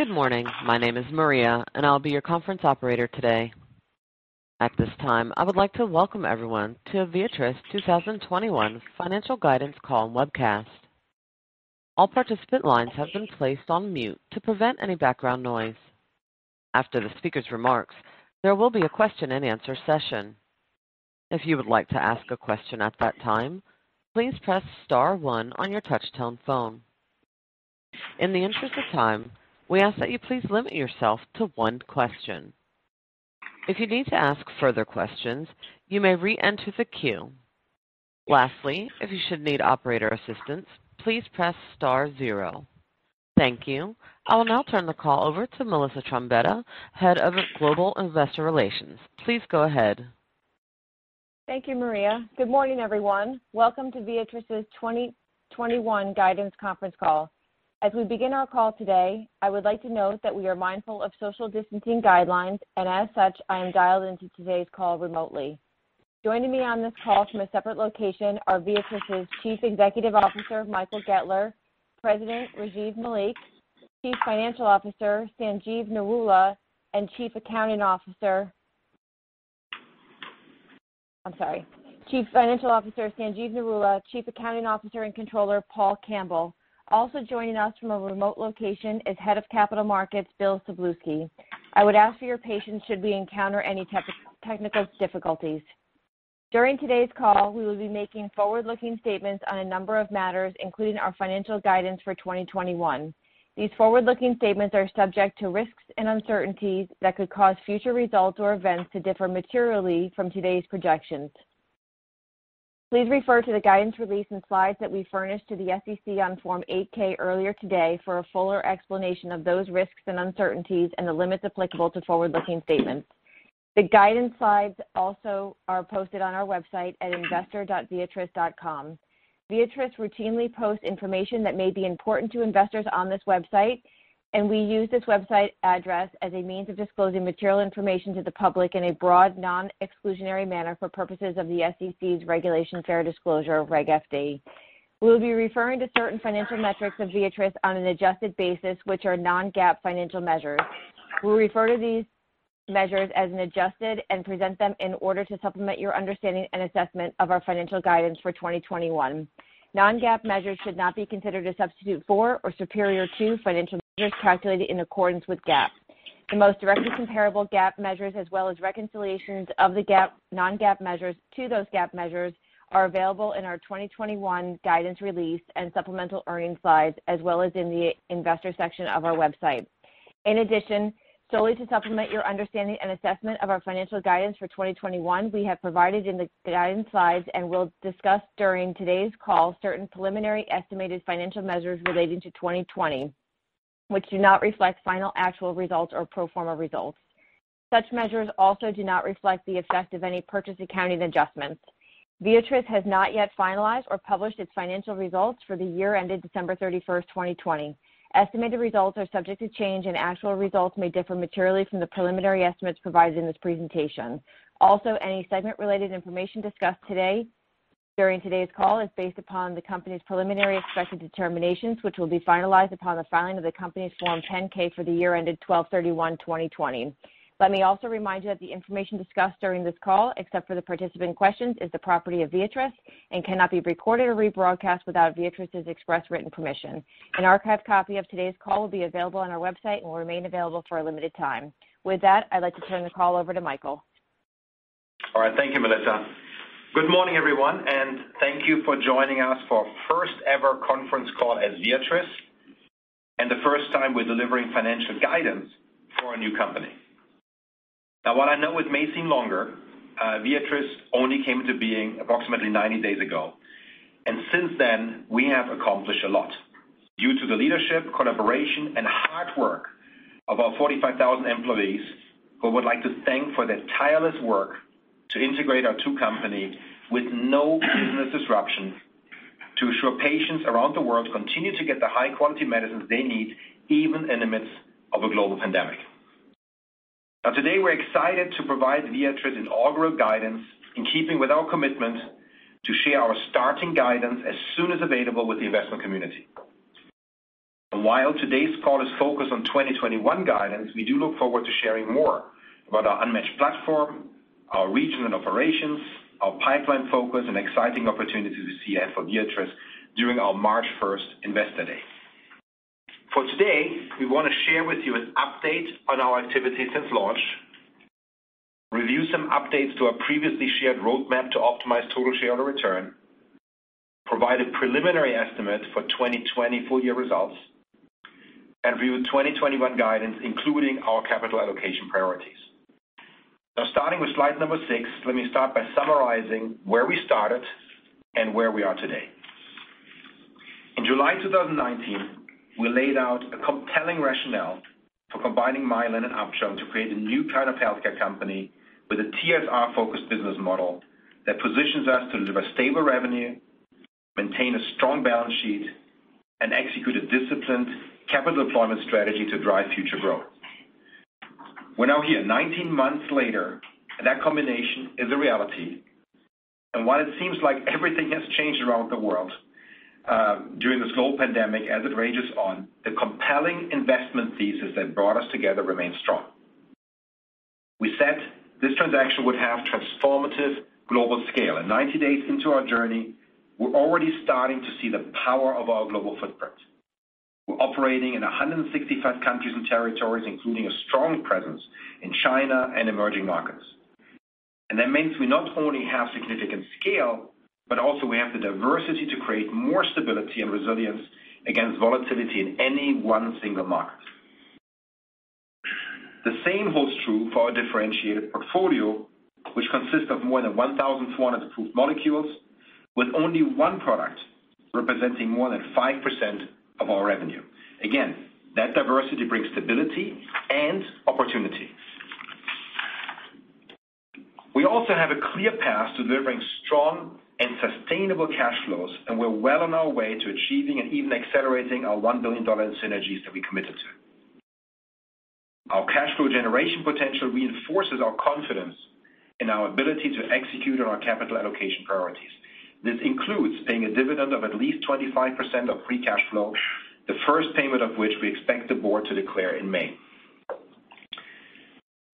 Good morning. My name is Maria, and I'll be your conference operator today. At this time, I would like to welcome everyone to a Viatris 2021 Financial Guidance Call and Webcast. All participant lines have been placed on mute to prevent any background noise. After the speaker's remarks, there will be a question-and-answer session. If you would like to ask a question at that time, please press star one on your touch-tone phone. In the interest of time, we ask that you please limit yourself to one question. If you need to ask further questions, you may re-enter the queue. Lastly, if you should need operator assistance, please press star zero. Thank you. I will now turn the call over to Melissa Trombetta, Head of Global Investor Relations. Please go ahead. Thank you, Maria. Good morning, everyone. Welcome to Viatris's 2021 Guidance Conference Call. As we begin our call today, I would like to note that we are mindful of social distancing guidelines, and as such, I am dialed into today's call remotely. Joining me on this call from a separate location are Viatris' Chief Executive Officer, Michael Goettler, President Rajiv Malik, Chief Financial Officer, Sanjeev Narula, and Chief Accounting Officer, and Controller, Paul Campbell. Also joining us from a remote location is Head of Capital Markets, Bill Szablewski. I would ask for your patience should we encounter any technical difficulties. During today's call, we will be making forward-looking statements on a number of matters, including our financial guidance for 2021. These forward-looking statements are subject to risks and uncertainties that could cause future results or events to differ materially from today's projections. Please refer to the guidance release and slides that we furnished to the SEC on Form 8-K earlier today for a fuller explanation of those risks and uncertainties and the limits applicable to forward-looking statements. The guidance slides also are posted on our website at investor.viatris.com. Viatris routinely posts information that may be important to investors on this website, and we use this website address as a means of disclosing material information to the public in a broad, non-exclusionary manner for purposes of the SEC's Regulation Fair Disclosure, Reg FD. We will be referring to certain financial metrics of Viatris on an adjusted basis, which are non-GAAP financial measures. We'll refer to these measures as an adjusted and present them in order to supplement your understanding and assessment of our financial guidance for 2021. Non-GAAP measures should not be considered a substitute for or superior to financial measures calculated in accordance with GAAP. The most directly comparable GAAP measures, as well as reconciliations of the non-GAAP measures to those GAAP measures, are available in our 2021 guidance release and supplemental earnings slides, as well as in the investor section of our website. In addition, solely to supplement your understanding and assessment of our financial guidance for 2021, we have provided in the guidance slides and will discuss during today's call certain preliminary estimated financial measures relating to 2020, which do not reflect final actual results or pro forma results. Such measures also do not reflect the effect of any purchase accounting adjustments. Viatris has not yet finalized or published its financial results for the year ended December 31st, 2020. Estimated results are subject to change, and actual results may differ materially from the preliminary estimates provided in this presentation. Also, any segment-related information discussed today during today's call is based upon the company's preliminary expected determinations, which will be finalized upon the filing of the company's Form 10-K for the year ended December 31, 2020. Let me also remind you that the information discussed during this call, except for the participant questions, is the property of Viatris and cannot be recorded or rebroadcast without Viatris's express written permission. An archived copy of today's call will be available on our website and will remain available for a limited time. With that, I'd like to turn the call over to Michael. All right. Thank you, Melissa. Good morning, everyone, and thank you for joining us for our first-ever conference call as Viatris and the first time we're delivering financial guidance for a new company. Now, while I know it may seem longer, Viatris only came into being approximately 90 days ago, and since then, we have accomplished a lot due to the leadership, collaboration, and hard work of our 45,000 employees who I would like to thank for their tireless work to integrate our two companies with no business disruption to ensure patients around the world continue to get the high-quality medicines they need even in the midst of a global pandemic. Now, today, we're excited to provide Viatris inaugural guidance in keeping with our commitment to share our starting guidance as soon as available with the investment community. While today's call is focused on 2021 guidance, we do look forward to sharing more about our unmatched platform, our regional operations, our pipeline focus, and exciting opportunities we see ahead for Viatris during our March 1st Investor Day. For today, we want to share with you an update on our activity since launch, review some updates to our previously shared roadmap to optimize total shareholder return, provide a preliminary estimate for 2020 full-year results, and review 2021 guidance, including our capital allocation priorities. Now, starting with slide number six, let me start by summarizing where we started and where we are today. In July 2019, we laid out a compelling rationale for combining Mylan and Upjohn to create a new kind of healthcare company with a TSR-focused business model that positions us to deliver stable revenue, maintain a strong balance sheet, and execute a disciplined capital deployment strategy to drive future growth. We're now here, 19 months later, and that combination is a reality. While it seems like everything has changed around the world during this global pandemic, as it rages on, the compelling investment thesis that brought us together remains strong. We said this transaction would have transformative global scale. Ninety days into our journey, we're already starting to see the power of our global footprint. We're operating in 165 countries and territories, including a strong presence in China and emerging markets. That means we not only have significant scale, but also we have the diversity to create more stability and resilience against volatility in any one single market. The same holds true for our differentiated portfolio, which consists of more than 1,400 approved molecules, with only one product representing more than 5% of our revenue. Again, that diversity brings stability and opportunity. We also have a clear path to delivering strong and sustainable cash flows, and we're well on our way to achieving and even accelerating our $1 billion synergies that we committed to. Our cash flow generation potential reinforces our confidence in our ability to execute on our capital allocation priorities. This includes paying a dividend of at least 25% of free cash flow, the first payment of which we expect the board to declare in May.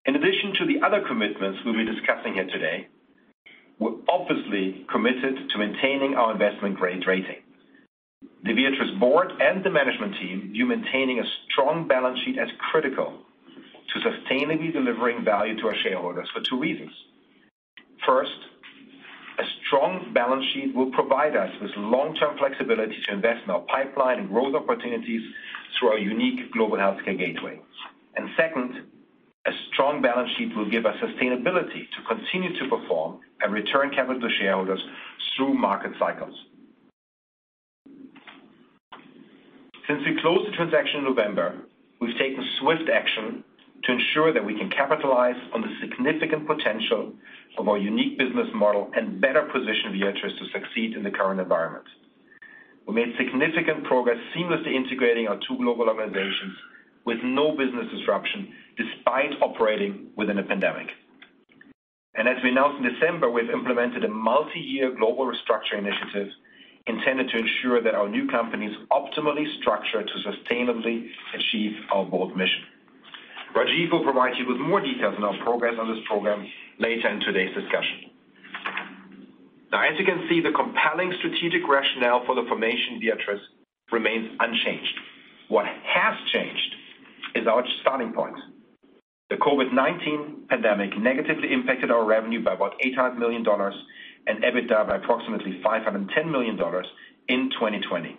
In addition to the other commitments we will be discussing here today, we are obviously committed to maintaining our investment-grade rating. The Viatris board and the management team view maintaining a strong balance sheet as critical to sustainably delivering value to our shareholders for two reasons. First, a strong balance sheet will provide us with long-term flexibility to invest in our pipeline and growth opportunities through our unique global healthcare gateway. Second, a strong balance sheet will give us sustainability to continue to perform and return capital to shareholders through market cycles. Since we closed the transaction in November, we have taken swift action to ensure that we can capitalize on the significant potential of our unique business model and better position Viatris to succeed in the current environment. We made significant progress seamlessly integrating our two global organizations with no business disruption despite operating within a pandemic. As we announced in December, we've implemented a multi-year global restructuring initiative intended to ensure that our new company is optimally structured to sustainably achieve our broad mission. Rajiv will provide you with more details on our progress on this program later in today's discussion. Now, as you can see, the compelling strategic rationale for the formation of Viatris remains unchanged. What has changed is our starting point. The COVID-19 pandemic negatively impacted our revenue by about $800 million and EBITDA by approximately $510 million in 2020.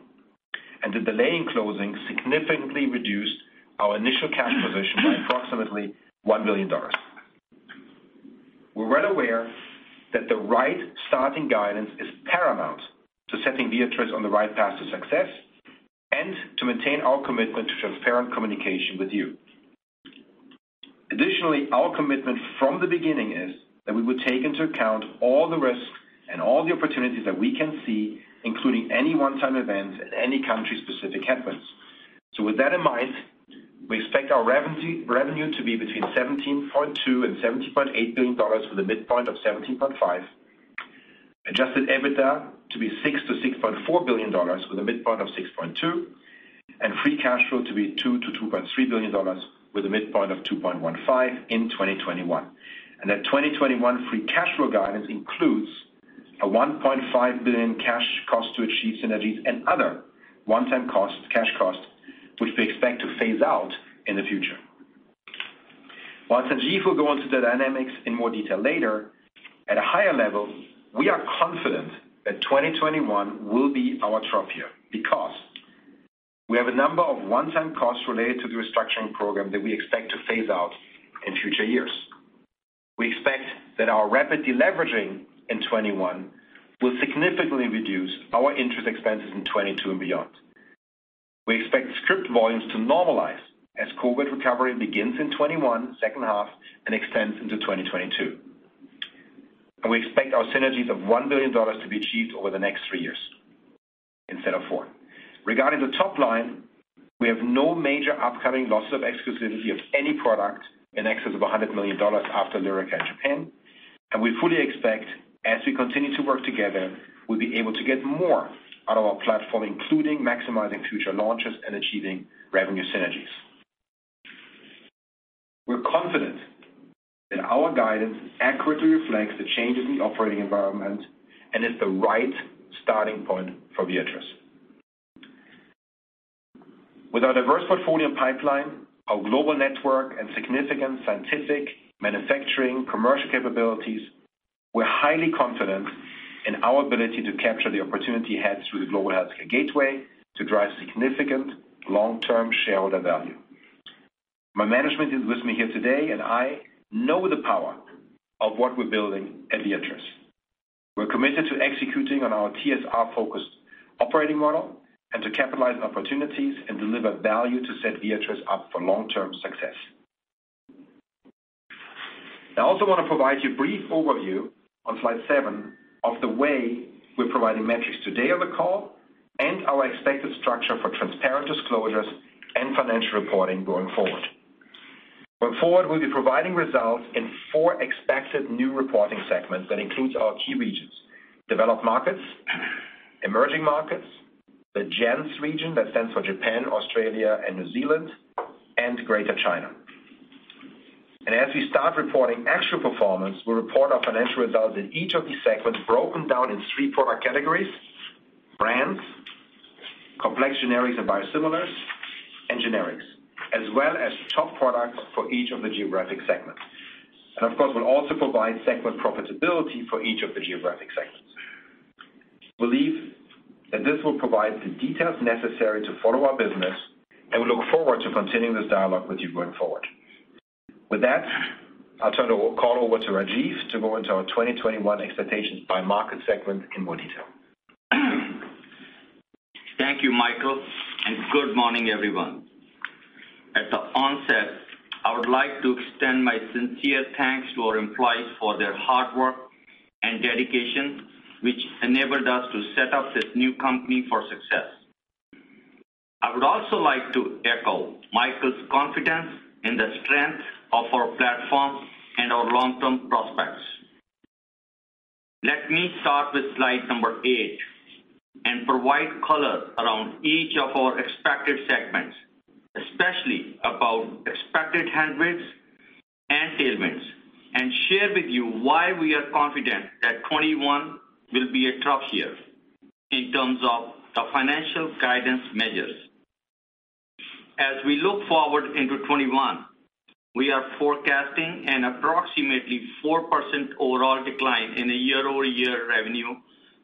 The delay in closing significantly reduced our initial cash position by approximately $1 billion. We're well aware that the right starting guidance is paramount to setting Viatris on the right path to success and to maintain our commitment to transparent communication with you. Additionally, our commitment from the beginning is that we would take into account all the risks and all the opportunities that we can see, including any one-time events and any country-specific headwinds. With that in mind, we expect our revenue to be between $17.2 billion and $17.8 billion with a midpoint of $17.5 billion, adjusted EBITDA to be $6 billion-$6.4 billion with a midpoint of $6.2 billion, and free cash flow to be $2 billion-$2.3 billion with a midpoint of $2.15 billion in 2021. That 2021 free cash flow guidance includes a $1.5 billion cash cost to achieve synergies and other one-time cash cost, which we expect to phase out in the future. While Sanjeev will go into the dynamics in more detail later, at a higher level, we are confident that 2021 will be our trophy year because we have a number of one-time costs related to the restructuring program that we expect to phase out in future years. We expect that our rapid deleveraging in 2021 will significantly reduce our interest expenses in 2022 and beyond. We expect script volumes to normalize as COVID recovery begins in 2021 second half and extends into 2022. We expect our synergies of $1 billion to be achieved over the next three years instead of four. Regarding the top line, we have no major upcoming losses of exclusivity of any product in excess of $100 million after Lyrica in Japan. We fully expect, as we continue to work together, we'll be able to get more out of our platform, including maximizing future launches and achieving revenue synergies. We're confident that our guidance accurately reflects the changes in the operating environment and is the right starting point for Viatris. With our diverse portfolio and pipeline, our global network, and significant scientific, manufacturing, commercial capabilities, we're highly confident in our ability to capture the opportunity ahead through the global healthcare gateway to drive significant long-term shareholder value. My management is with me here today, and I know the power of what we're building at Viatris. We're committed to executing on our TSR-focused operating model and to capitalize opportunities and deliver value to set Viatris up for long-term success. I also want to provide you a brief overview on slide seven of the way we're providing metrics today on the call and our expected structure for transparent disclosures and financial reporting going forward. Going forward, we'll be providing results in four expected new reporting segments that include our key regions: developed markets, emerging markets, the JENZ region that stands for Japan, Australia, and New Zealand, and Greater China. As we start reporting actual performance, we'll report our financial results in each of these segments broken down in three product categories: brands, complex generics and biosimilars, and generics, as well as top products for each of the geographic segments. Of course, we'll also provide segment profitability for each of the geographic segments. We believe that this will provide the details necessary to follow our business, and we look forward to continuing this dialogue with you going forward. With that, I'll turn the call over to Rajiv to go into our 2021 expectations by market segment in more detail. Thank you, Michael, and good morning, everyone. At the onset, I would like to extend my sincere thanks to our employees for their hard work and dedication, which enabled us to set up this new company for success. I would also like to echo Michael's confidence in the strength of our platform and our long-term prospects. Let me start with slide number eight and provide color around each of our expected segments, especially about expected headwinds and tailwinds, and share with you why we are confident that 2021 will be a trophy year in terms of the financial guidance measures. As we look forward into 2021, we are forecasting an approximately 4% overall decline in the year-over-year revenue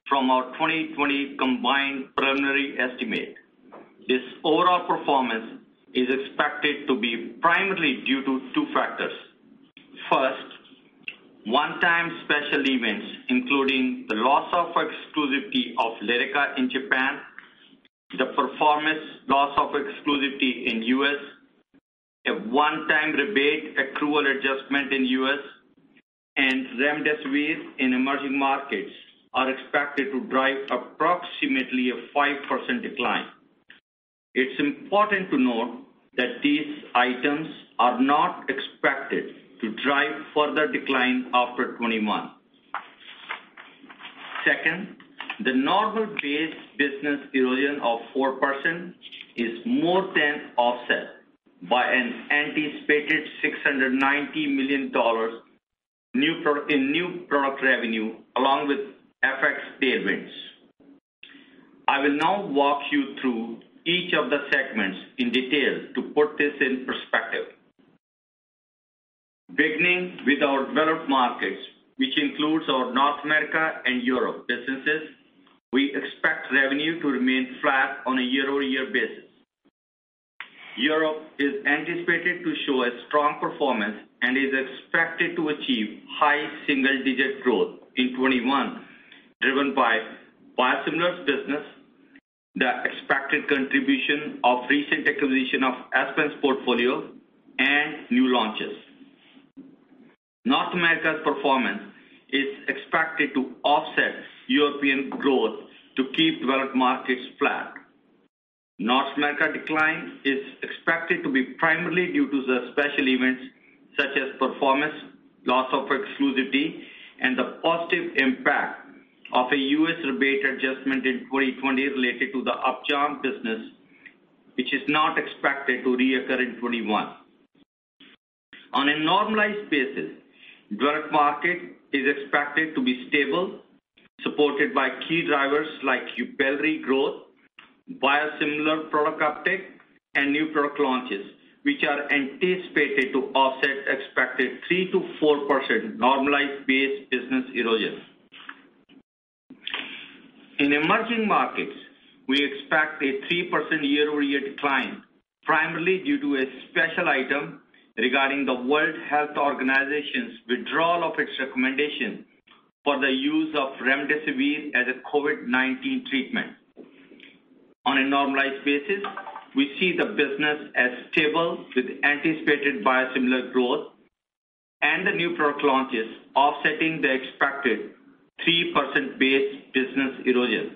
from our 2020 combined preliminary estimate. This overall performance is expected to be primarily due to two factors. First, one-time special events, including the loss of exclusivity of Lyrica in Japan, the performance loss of exclusivity in the U.S., a one-time rebate accrual adjustment in the U.S., and remdesivir in emerging markets are expected to drive approximately a 5% decline. It's important to note that these items are not expected to drive further decline after 2021. Second, the normal base business erosion of 4% is more than offset by an anticipated $690 million in new product revenue, along with FX tailwinds. I will now walk you through each of the segments in detail to put this in perspective. Beginning with our developed markets, which includes our North America and Europe businesses, we expect revenue to remain flat on a year-over-year basis. Europe is anticipated to show a strong performance and is expected to achieve high single-digit growth in 2021, driven by biosimilars business, the expected contribution of recent acquisition of Aspen's portfolio, and new launches. North America's performance is expected to offset European growth to keep developed markets flat. North America decline is expected to be primarily due to the special events such as performance loss of exclusivity and the positive impact of a U.S. rebate adjustment in 2020 related to the Upjohn business, which is not expected to reoccur in 2021. On a normalized basis, developed market is expected to be stable, supported by key drivers like Jubelry growth, biosimilar product uptake, and new product launches, which are anticipated to offset expected 3%-4% normalized base business erosion. In emerging markets, we expect a 3% year-over-year decline primarily due to a special item regarding the World Health Organization's withdrawal of its recommendation for the use of remdesivir as a COVID-19 treatment. On a normalized basis, we see the business as stable with anticipated biosimilar growth and the new product launches offsetting the expected 3% base business erosion.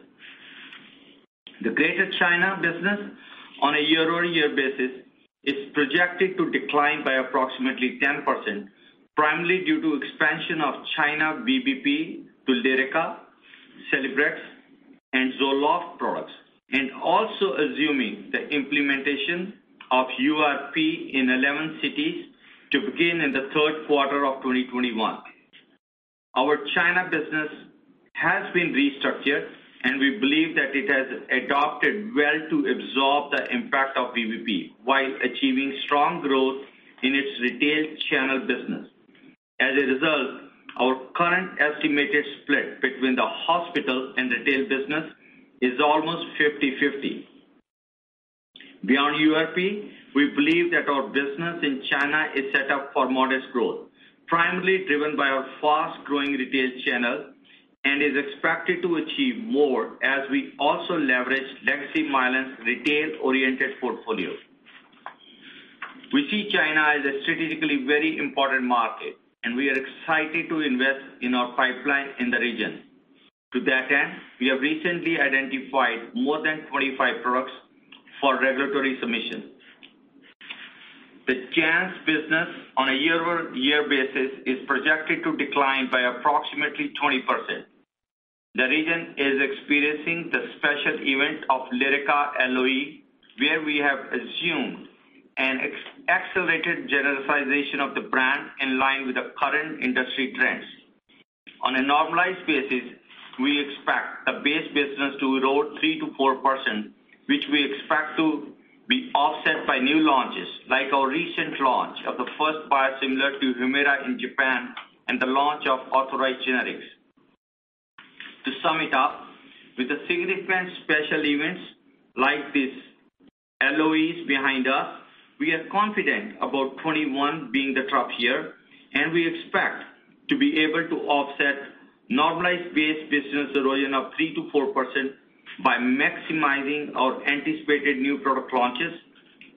The Greater China business, on a year-over-year basis, is projected to decline by approximately 10%, primarily due to expansion of China VBP to Lyrica, CELEBREX, and ZOLOFT products, and also assuming the implementation of URP in 11 cities to begin in the third quarter of 2021. Our China business has been restructured, and we believe that it has adopted well to absorb the impact of VBP while achieving strong growth in its retail channel business. As a result, our current estimated split between the hospital and retail business is almost 50/50. Beyond URP, we believe that our business in China is set up for modest growth, primarily driven by our fast-growing retail channel, and is expected to achieve more as we also leverage Legacy Mylan's retail-oriented portfolio. We see China as a strategically very important market, and we are excited to invest in our pipeline in the region. To that end, we have recently identified more than 25 products for regulatory submission. The JENS business, on a year-over-year basis, is projected to decline by approximately 20%. The region is experiencing the special event of Lyrica LOE, where we have assumed an accelerated generalization of the brand in line with the current industry trends. On a normalized basis, we expect the base business to erode 3-4%, which we expect to be offset by new launches, like our recent launch of the first biosimilar to Humira in Japan and the launch of authorized generics. To sum it up, with the significant special events like this LOEs behind us, we are confident about 2021 being the trophy year, and we expect to be able to offset normalized base business erosion of 3%-4% by maximizing our anticipated new product launches,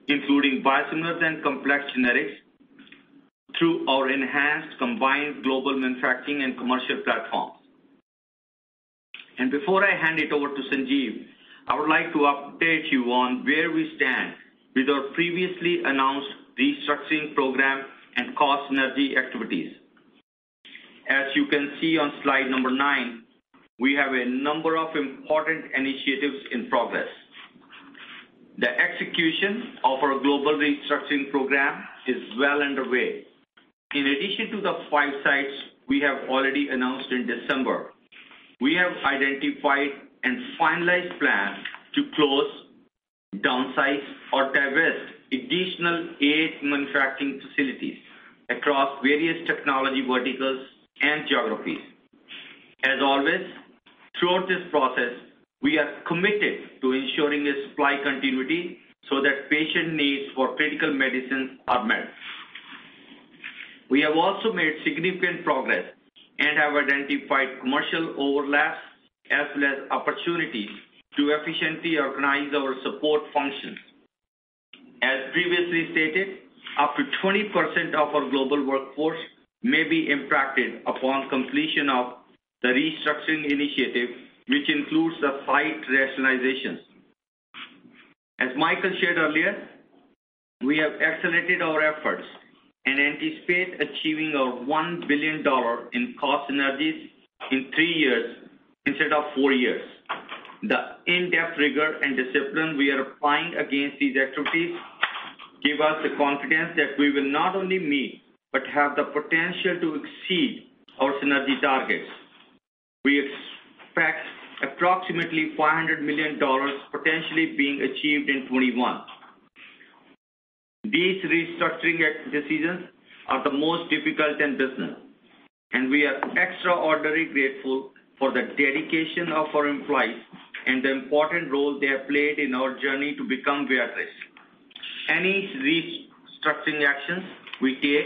including biosimilars and complex generics, through our enhanced combined global manufacturing and commercial platforms. Before I hand it over to Sanjeev, I would like to update you on where we stand with our previously announced restructuring program and cost synergy activities. As you can see on slide number nine, we have a number of important initiatives in progress. The execution of our global restructuring program is well underway. In addition to the five sites we have already announced in December, we have identified and finalized plans to close, downsize, or divest an additional eight manufacturing facilities across various technology verticals and geographies. As always, throughout this process, we are committed to ensuring supply continuity so that patient needs for critical medicines are met. We have also made significant progress and have identified commercial overlaps as well as opportunities to efficiently organize our support functions. As previously stated, up to 20% of our global workforce may be impacted upon completion of the restructuring initiative, which includes site rationalizations. As Michael shared earlier, we have accelerated our efforts and anticipate achieving our $1 billion in cost synergies in three years instead of four years. The in-depth rigor and discipline we are applying against these activities give us the confidence that we will not only meet but have the potential to exceed our synergy targets. We expect approximately $500 million potentially being achieved in 2021. These restructuring decisions are the most difficult in business, and we are extraordinarily grateful for the dedication of our employees and the important role they have played in our journey to become Viatris. Any restructuring actions we take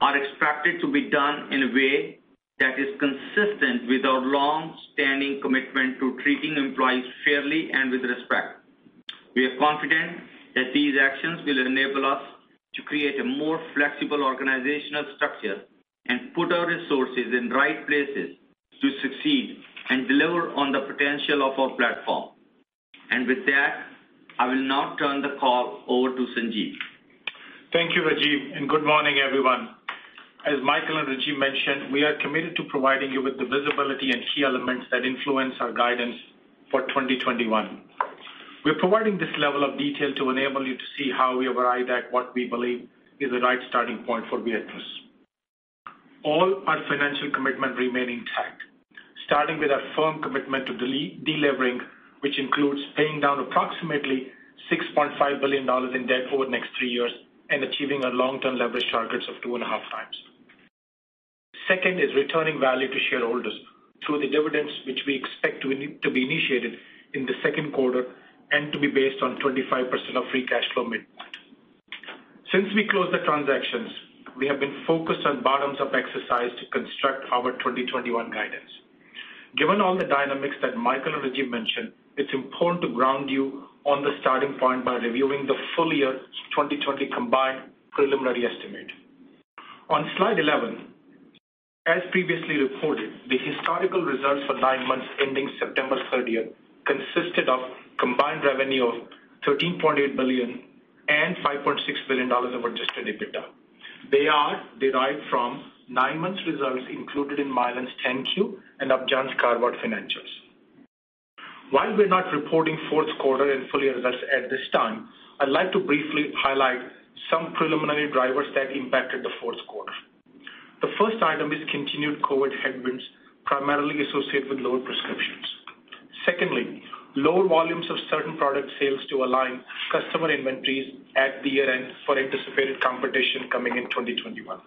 are expected to be done in a way that is consistent with our long-standing commitment to treating employees fairly and with respect. We are confident that these actions will enable us to create a more flexible organizational structure and put our resources in the right places to succeed and deliver on the potential of our platform. I will now turn the call over to Sanjeev. Thank you, Rajiv, and good morning, everyone. As Michael and Rajiv mentioned, we are committed to providing you with the visibility and key elements that influence our guidance for 2021. We're providing this level of detail to enable you to see how we have arrived at what we believe is the right starting point for Viatris. All our financial commitments remain intact, starting with our firm commitment to delivering, which includes paying down approximately $6.5 billion in debt over the next three years and achieving our long-term leverage targets of two and a half times. Second is returning value to shareholders through the dividends, which we expect to be initiated in the second quarter and to be based on 25% of free cash flow mid-point. Since we closed the transactions, we have been focused on bottoms-up exercise to construct our 2021 guidance. Given all the dynamics that Michael and Rajiv mentioned, it's important to ground you on the starting point by reviewing the full year 2020 combined preliminary estimate. On slide 11, as previously reported, the historical results for nine months ending September third year consisted of combined revenue of $13.8 billion and $5.6 billion of adjusted EBITDA. They are derived from nine months' results included in Mylan's 10Q and Upjohn's Cardboard Financials. While we're not reporting fourth quarter and full-year results at this time, I'd like to briefly highlight some preliminary drivers that impacted the fourth quarter. The first item is continued COVID headwinds primarily associated with lower prescriptions. Secondly, lower volumes of certain product sales to align customer inventories at the year-end for anticipated competition coming in 2021.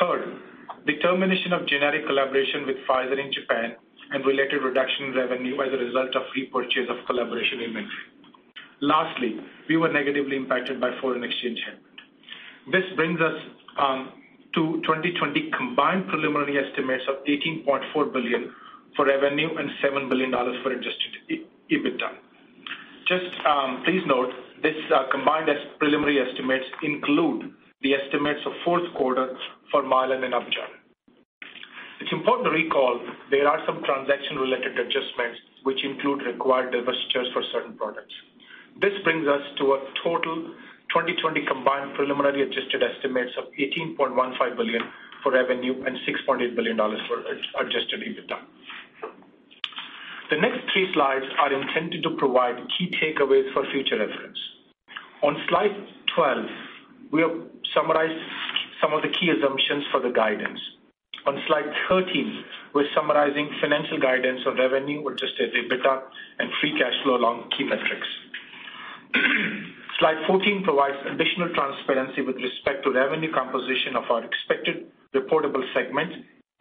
Third, the termination of generic collaboration with Pfizer in Japan and related reduction in revenue as a result of repurchase of collaboration inventory. Lastly, we were negatively impacted by foreign exchange headwinds. This brings us to 2020 combined preliminary estimates of $18.4 billion for revenue and $7 billion for adjusted EBITDA. Just please note this combined preliminary estimates include the estimates of fourth quarter for Mylan and Upjohn. It's important to recall there are some transaction-related adjustments which include required divestitures for certain products. This brings us to a total 2020 combined preliminary adjusted estimates of $18.15 billion for revenue and $6.8 billion for adjusted EBITDA. The next three slides are intended to provide key takeaways for future reference. On slide 12, we have summarized some of the key assumptions for the guidance. On slide 13, we're summarizing financial guidance on revenue, adjusted EBITDA, and free cash flow along key metrics. Slide 14 provides additional transparency with respect to revenue composition of our expected reportable segments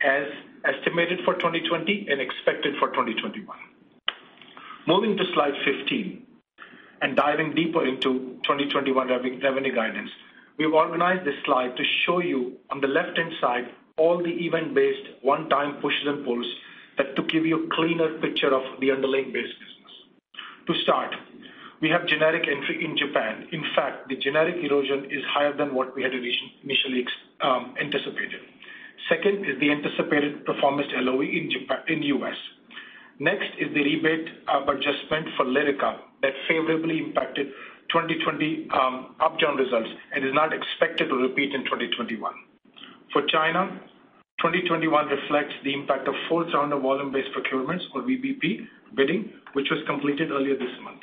as estimated for 2020 and expected for 2021. Moving to slide 15 and diving deeper into 2021 revenue guidance, we've organized this slide to show you on the left-hand side all the event-based one-time pushes and pulls to give you a cleaner picture of the underlying base business. To start, we have generic entry in Japan. In fact, the generic erosion is higher than what we had initially anticipated. Second is the anticipated performance LOE in US. Next is the rebate adjustment for Lyrica that favorably impacted 2020 Upjohn results and is not expected to repeat in 2021. For China, 2021 reflects the impact of full-turnover volume-based procurements, or VBP, bidding, which was completed earlier this month.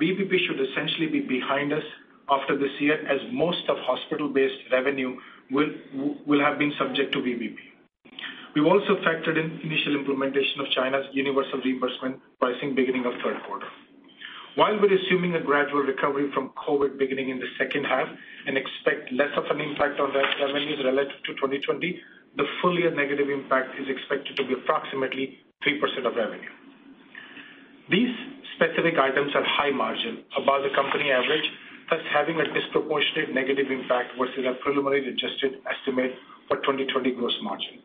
VBP should essentially be behind us after this year as most of hospital-based revenue will have been subject to VBP. We've also factored in initial implementation of China's universal reimbursement pricing beginning of third quarter. While we're assuming a gradual recovery from COVID beginning in the second half and expect less of an impact on revenues relative to 2020, the full-year negative impact is expected to be approximately 3% of revenue. These specific items are high margin, above the company average, thus having a disproportionate negative impact versus a preliminary adjusted estimate for 2020 gross margin.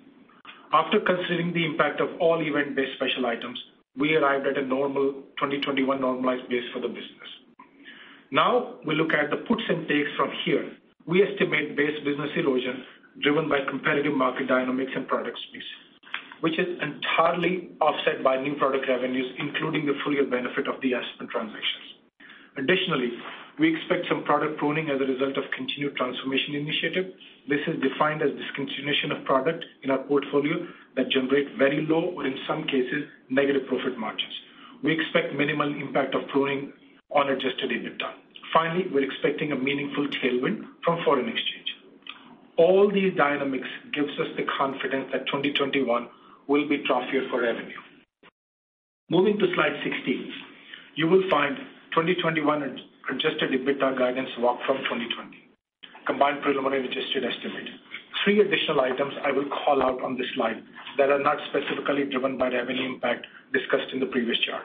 After considering the impact of all event-based special items, we arrived at a normal 2021 normalized base for the business. Now, we look at the puts and takes from here. We estimate base business erosion driven by competitive market dynamics and product space, which is entirely offset by new product revenues, including the full-year benefit of the Aspen transactions. Additionally, we expect some product pruning as a result of continued transformation initiative. This is defined as discontinuation of product in our portfolio that generates very low or, in some cases, negative profit margins. We expect minimal impact of pruning on adjusted EBITDA. Finally, we're expecting a meaningful tailwind from foreign exchange. All these dynamics give us the confidence that 2021 will be trophy year for revenue. Moving to slide 16, you will find 2021 adjusted EBITDA guidance walk from 2020, combined preliminary adjusted estimate. Three additional items I will call out on this slide that are not specifically driven by revenue impact discussed in the previous chart.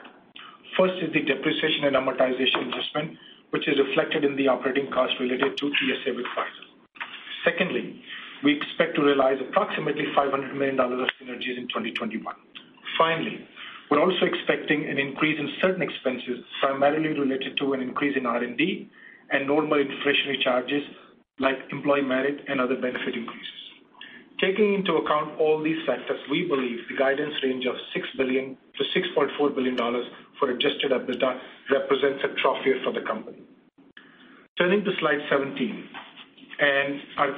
First is the depreciation and amortization adjustment, which is reflected in the operating costs related to TSA with Pfizer. Secondly, we expect to realize approximately $500 million of synergies in 2021. Finally, we're also expecting an increase in certain expenses primarily related to an increase in R&D and normal inflationary charges like employee merit and other benefit increases. Taking into account all these factors, we believe the guidance range of $6 billion-$6.4 billion for adjusted EBITDA represents a trophy year for the company. Turning to slide 17 and our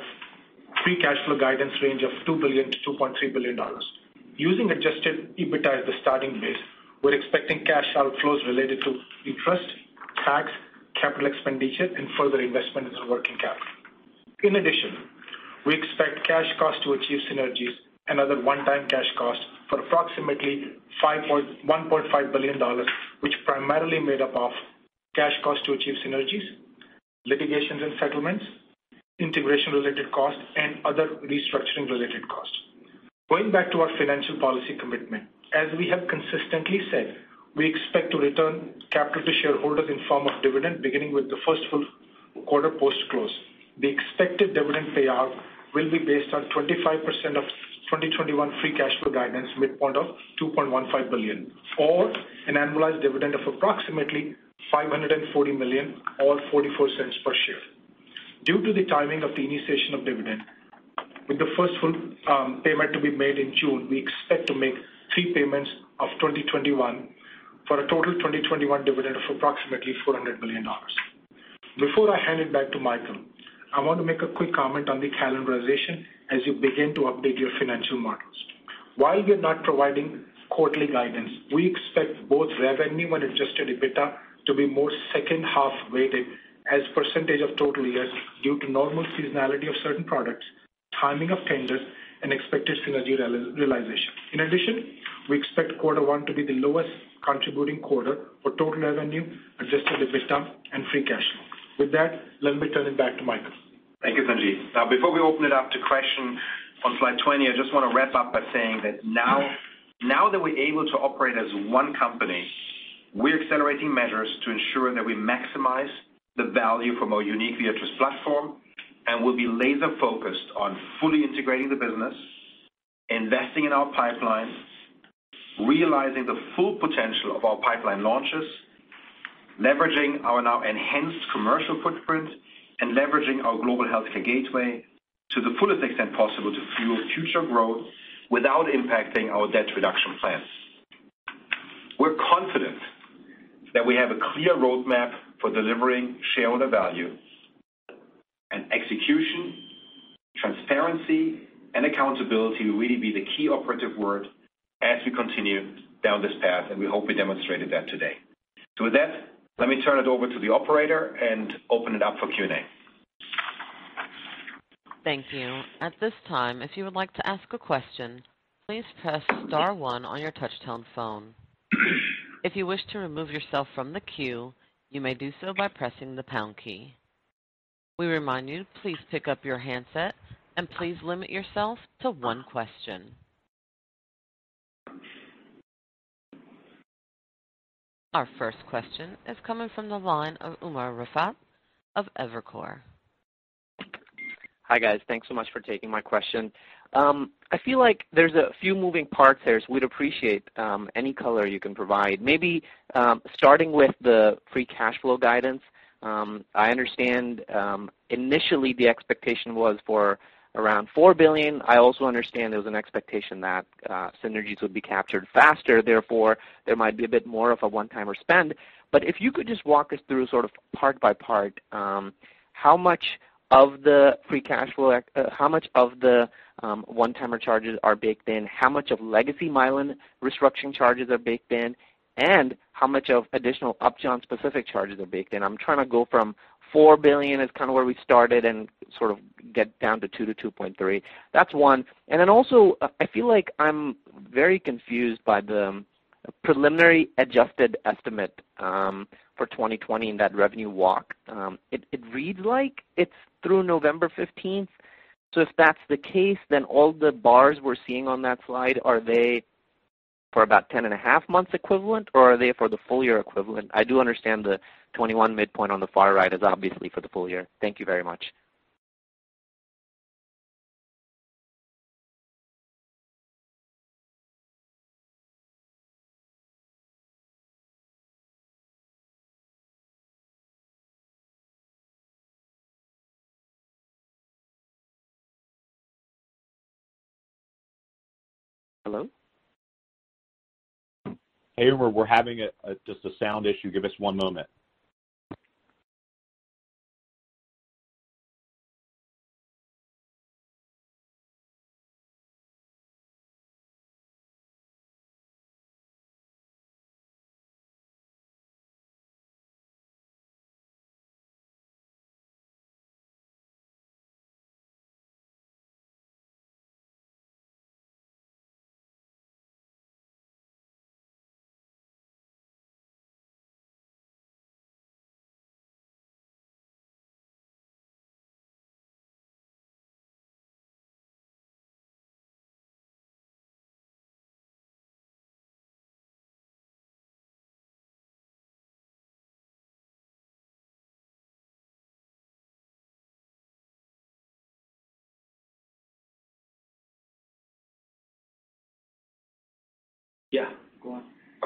free cash flow guidance range of $2 billion-$2.3 billion. Using adjusted EBITDA as the starting base, we're expecting cash outflows related to interest, tax, capital expenditure, and further investment in the working capital. In addition, we expect cash costs to achieve synergies and other one-time cash costs for approximately $1.5 billion, which primarily made up of cash costs to achieve synergies, litigations and settlements, integration-related costs, and other restructuring-related costs. Going back to our financial policy commitment, as we have consistently said, we expect to return capital to shareholders in the form of dividend beginning with the first full quarter post-close. The expected dividend payout will be based on 25% of 2021 free cash flow guidance, mid-point of $2.15 billion, or an annualized dividend of approximately $540 million or $0.44 per share. Due to the timing of the initiation of dividend, with the first full payment to be made in June, we expect to make three payments of 2021 for a total 2021 dividend of approximately $400 million. Before I hand it back to Michael, I want to make a quick comment on the calendarization as you begin to update your financial models. While we're not providing quarterly guidance, we expect both revenue and adjusted EBITDA to be more second-half-weighted as a percentage of total years due to normal seasonality of certain products, timing of tenders, and expected synergy realization. In addition, we expect quarter one to be the lowest contributing quarter for total revenue, adjusted EBITDA, and free cash flow. With that, let me turn it back to Michael. Thank you, Sanjeev. Now, before we open it up to question on slide 20, I just want to wrap up by saying that now that we're able to operate as one company, we're accelerating measures to ensure that we maximize the value from our unique Viatris platform and will be laser-focused on fully integrating the business, investing in our pipeline, realizing the full potential of our pipeline launches, leveraging our now enhanced commercial footprint, and leveraging our global healthcare gateway to the fullest extent possible to fuel future growth without impacting our debt reduction plans. We're confident that we have a clear roadmap for delivering shareholder value, and execution, transparency, and accountability will really be the key operative word as we continue down this path, and we hope we demonstrated that today. With that, let me turn it over to the operator and open it up for Q&A. Thank you. At this time, if you would like to ask a question, please press star one on your touch-tone phone. If you wish to remove yourself from the queue, you may do so by pressing the pound key. We remind you to please pick up your handset and please limit yourself to one question. Our first question is coming from the line of Umer Raffat of Evercore. Hi guys. Thanks so much for taking my question. I feel like there's a few moving parts here, so we'd appreciate any color you can provide. Maybe starting with the free cash flow guidance, I understand initially the expectation was for around $4 billion. I also understand there was an expectation that synergies would be captured faster. Therefore, there might be a bit more of a one-timer spend. If you could just walk us through sort of part by part how much of the free cash flow, how much of the one-timer charges are baked in, how much of legacy Mylan restructuring charges are baked in, and how much of additional Upjohn specific charges are baked in. I'm trying to go from $4 billion is kind of where we started and sort of get down to $2-$2.3 billion. That's one. I feel like I'm very confused by the preliminary adjusted estimate for 2020 and that revenue walk. It reads like it's through November 15th. If that's the case, then all the bars we're seeing on that slide, are they for about 10 and a half months equivalent, or are they for the full-year equivalent? I do understand the 21 mid-point on the far right is obviously for the full year. Thank you very much. Hello? Hey, Umer. We're having just a sound issue. Give us one moment.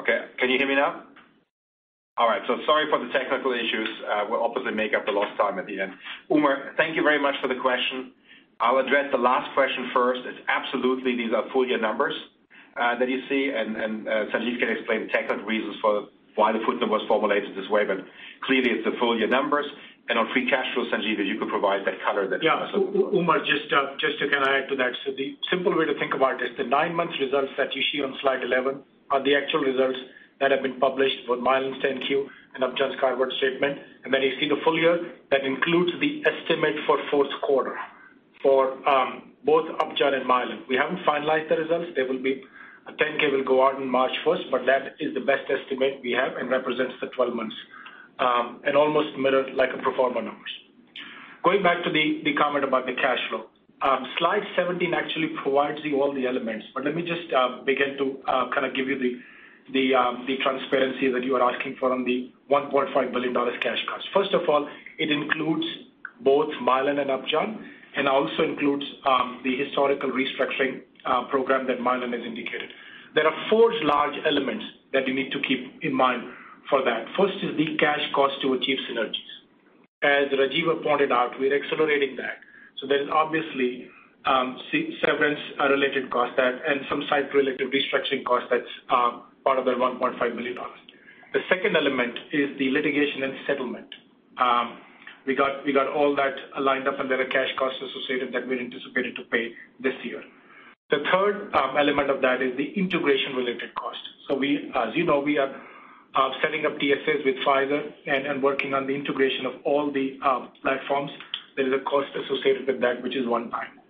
Yeah. Go on. Okay. Can you hear me now? All right. Sorry for the technical issues. We'll obviously make up the lost time at the end. Umer, thank you very much for the question. I'll address the last question first. It's absolutely these are full-year numbers that you see, and Sanjeev can explain the technical reasons for why the footnote was formulated this way, but clearly it's the full-year numbers. On free cash flow, Sanjeev, if you could provide that color that you're also looking for. Yeah. Umer, just to kind of add to that, the simple way to think about it is the nine-month results that you see on slide 11 are the actual results that have been published for Mylan's 10-Q and Upjohn's carve-out statement. Then you see the full year that includes the estimate for fourth quarter for both Upjohn and Mylan. We have not finalized the results. 10-K will go out on March 1st, but that is the best estimate we have and represents the 12 months and almost mirrored like a pro forma numbers. Going back to the comment about the cash flow, slide 17 actually provides you all the elements, but let me just begin to kind of give you the transparency that you are asking for on the $1.5 billion cash cost. First of all, it includes both Mylan and Upjohn, and also includes the historical restructuring program that Mylan has indicated. There are four large elements that you need to keep in mind for that. First is the cash cost to achieve synergies. As Rajiv pointed out, we're accelerating that. There's obviously severance-related costs and some site-related restructuring costs that's part of the $1.5 billion. The second element is the litigation and settlement. We got all that lined up, and there are cash costs associated that we anticipated to pay this year. The third element of that is the integration-related cost. As you know, we are setting up TSAs with Pfizer and working on the integration of all the platforms. There is a cost associated with that, which is one-time.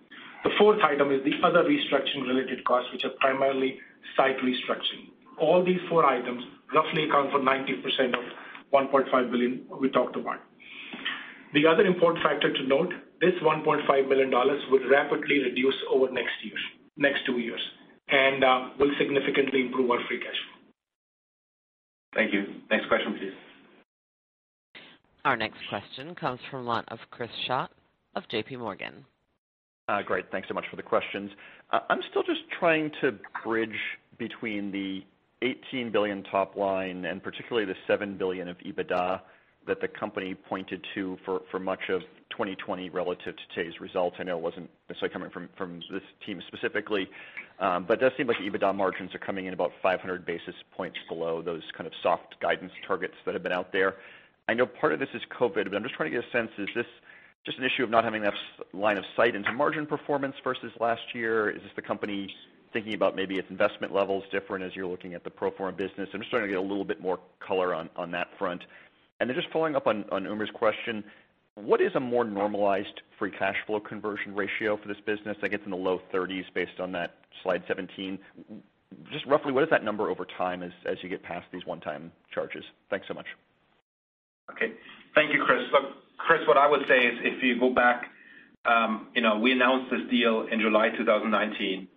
The fourth item is the other restructuring-related costs, which are primarily site restructuring. All these four items roughly account for 90% of $1.5 billion we talked about. The other important factor to note, this $1.5 billion will rapidly reduce over next two years and will significantly improve our free cash flow. Thank you. Next question, please. Our next question comes from Chris Schott of JPMorgan. Great. Thanks so much for the questions. I'm still just trying to bridge between the $18 billion top line and particularly the $7 billion of EBITDA that the company pointed to for much of 2020 relative to today's results. I know it wasn't necessarily coming from this team specifically, but it does seem like EBITDA margins are coming in about 500 basis points below those kind of soft guidance targets that have been out there. I know part of this is COVID, but I'm just trying to get a sense. Is this just an issue of not having enough line of sight into margin performance versus last year? Is this the company thinking about maybe its investment levels different as you're looking at the pro forma business? I'm just trying to get a little bit more color on that front. Just following up on Umer's question, what is a more normalized free cash flow conversion ratio for this business that gets in the low 30s based on that slide 17? Just roughly, what is that number over time as you get past these one-time charges? Thanks so much. Okay. Thank you, Chris. Look, Chris, what I would say is if you go back, we announced this deal in July 2019.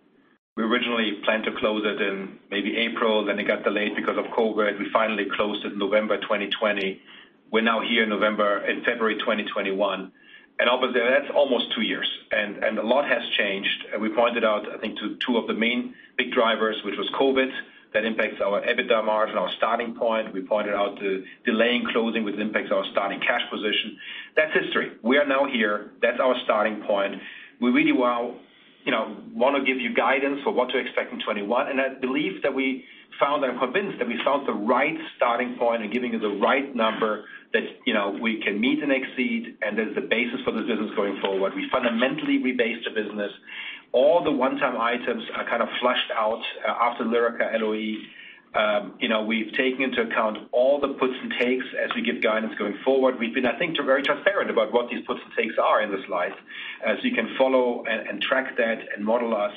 We originally planned to close it in maybe April. It got delayed because of COVID. We finally closed it in November 2020. We are now here in February 2021. Obviously, that is almost two years, and a lot has changed. We pointed out, I think, two of the main big drivers, which was COVID that impacts our EBITDA margin, our starting point. We pointed out the delay in closing which impacts our starting cash position. That is history. We are now here. That is our starting point. We really want to give you guidance for what to expect in 2021. I believe that we found, and I'm convinced that we found the right starting point in giving you the right number that we can meet and exceed, and there's the basis for this business going forward. We fundamentally rebased the business. All the one-time items are kind of flushed out after Lyrica LOE. We've taken into account all the puts and takes as we give guidance going forward. We've been, I think, very transparent about what these puts and takes are in the slides, so you can follow and track that and model us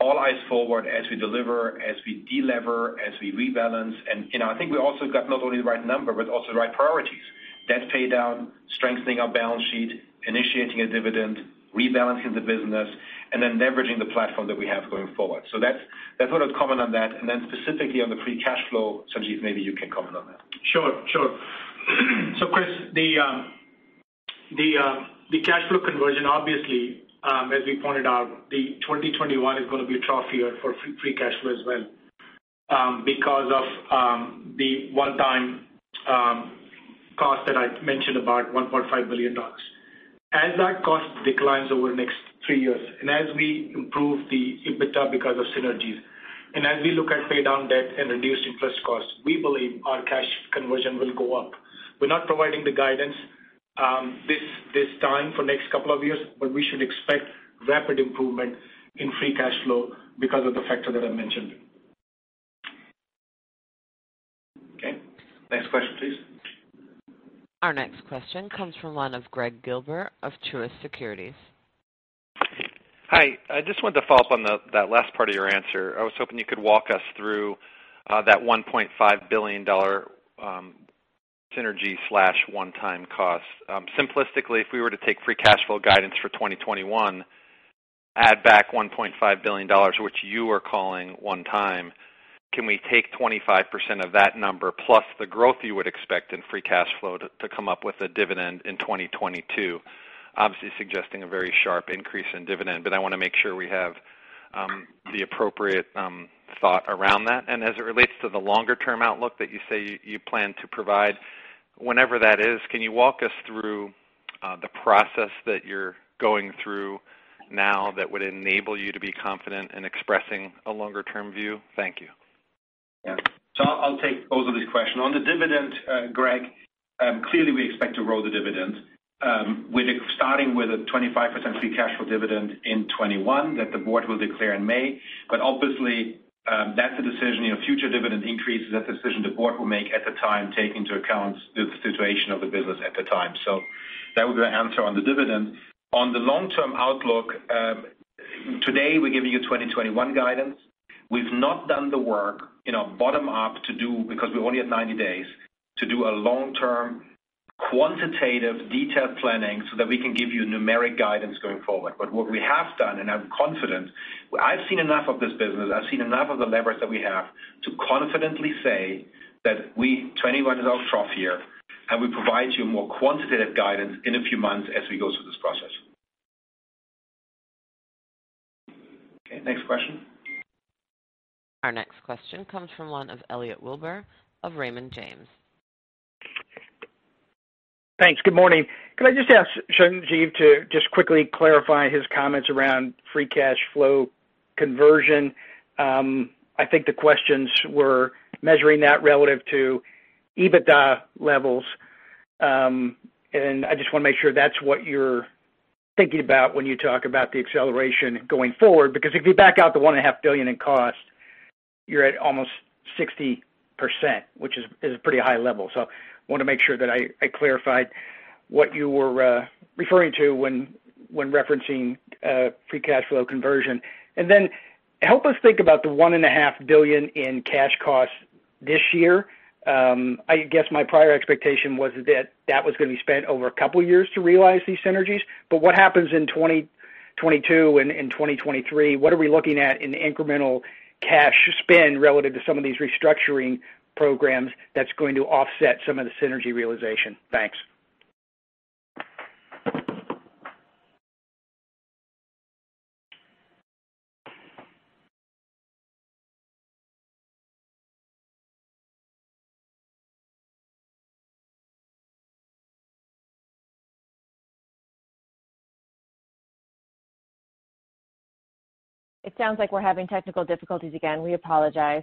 all eyes forward as we deliver, as we delever, as we rebalance. I think we also got not only the right number, but also the right priorities: debt pay down, strengthening our balance sheet, initiating a dividend, rebalancing the business, and then leveraging the platform that we have going forward. That is what I'd comment on that. Specifically on the free cash flow, Sanjeev, maybe you can comment on that. Sure. Sure. Chris, the cash flow conversion, obviously, as we pointed out, 2021 is going to be a trough year for free cash flow as well because of the one-time cost that I mentioned, about $1.5 billion. As that cost declines over the next three years and as we improve the EBITDA because of synergies, and as we look at pay down debt and reduced interest costs, we believe our cash conversion will go up. We're not providing the guidance this time for the next couple of years, but we should expect rapid improvement in free cash flow because of the factor that I mentioned. Okay. Next question, please. Our next question comes from Gregg Gilbert of Truist Securities. Hi. I just wanted to follow up on that last part of your answer. I was hoping you could walk us through that $1.5 billion synergy/one-time cost. Simplistically, if we were to take free cash flow guidance for 2021, add back $1.5 billion, which you are calling one-time, can we take 25% of that number plus the growth you would expect in free cash flow to come up with a dividend in 2022, obviously suggesting a very sharp increase in dividend? I want to make sure we have the appropriate thought around that. As it relates to the longer-term outlook that you say you plan to provide, whenever that is, can you walk us through the process that you're going through now that would enable you to be confident in expressing a longer-term view? Thank you. Yeah. I'll take both of these questions. On the dividend, Greg, clearly we expect to roll the dividend. We're starting with a 25% free cash flow dividend in 2021 that the board will declare in May. Obviously, that's a decision. Future dividend increase is a decision the board will make at the time, taking into account the situation of the business at the time. That would be the answer on the dividend. On the long-term outlook, today we're giving you 2021 guidance. We've not done the work bottom-up to do, because we're only at 90 days, to do a long-term quantitative detailed planning so that we can give you numeric guidance going forward. What we have done, and I'm confident, I've seen enough of this business. I've seen enough of the leverage that we have to confidently say that 2021 is our trough year, and we provide you more quantitative guidance in a few months as we go through this process. Okay. Next question. Our next question comes from Elliot Wilbur of Raymond James. Thanks. Good morning. Can I just ask Sanjeev to just quickly clarify his comments around free cash flow conversion? I think the questions were measuring that relative to EBITDA levels. I just want to make sure that's what you're thinking about when you talk about the acceleration going forward, because if you back out the $1.5 billion in cost, you're at almost 60%, which is a pretty high level. I want to make sure that I clarified what you were referring to when referencing free cash flow conversion. Help us think about the $1.5 billion in cash costs this year. I guess my prior expectation was that that was going to be spent over a couple of years to realize these synergies. What happens in 2022 and 2023? What are we looking at in incremental cash spend relative to some of these restructuring programs that's going to offset some of the synergy realization? Thanks. It sounds like we're having technical difficulties again. We apologize.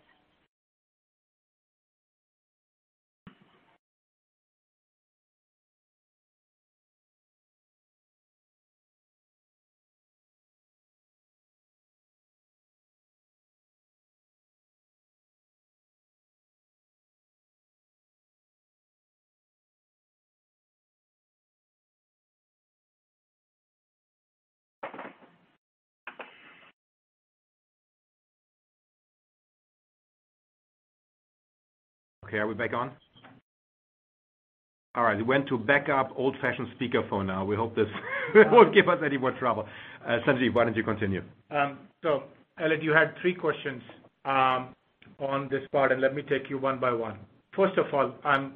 Okay. Are we back on? All right. We went to backup old-fashioned speakerphone now. We hope this won't give us any more trouble. Sanjeev, why don't you continue? Elliot, you had three questions on this part, and let me take you one by one. First of all, I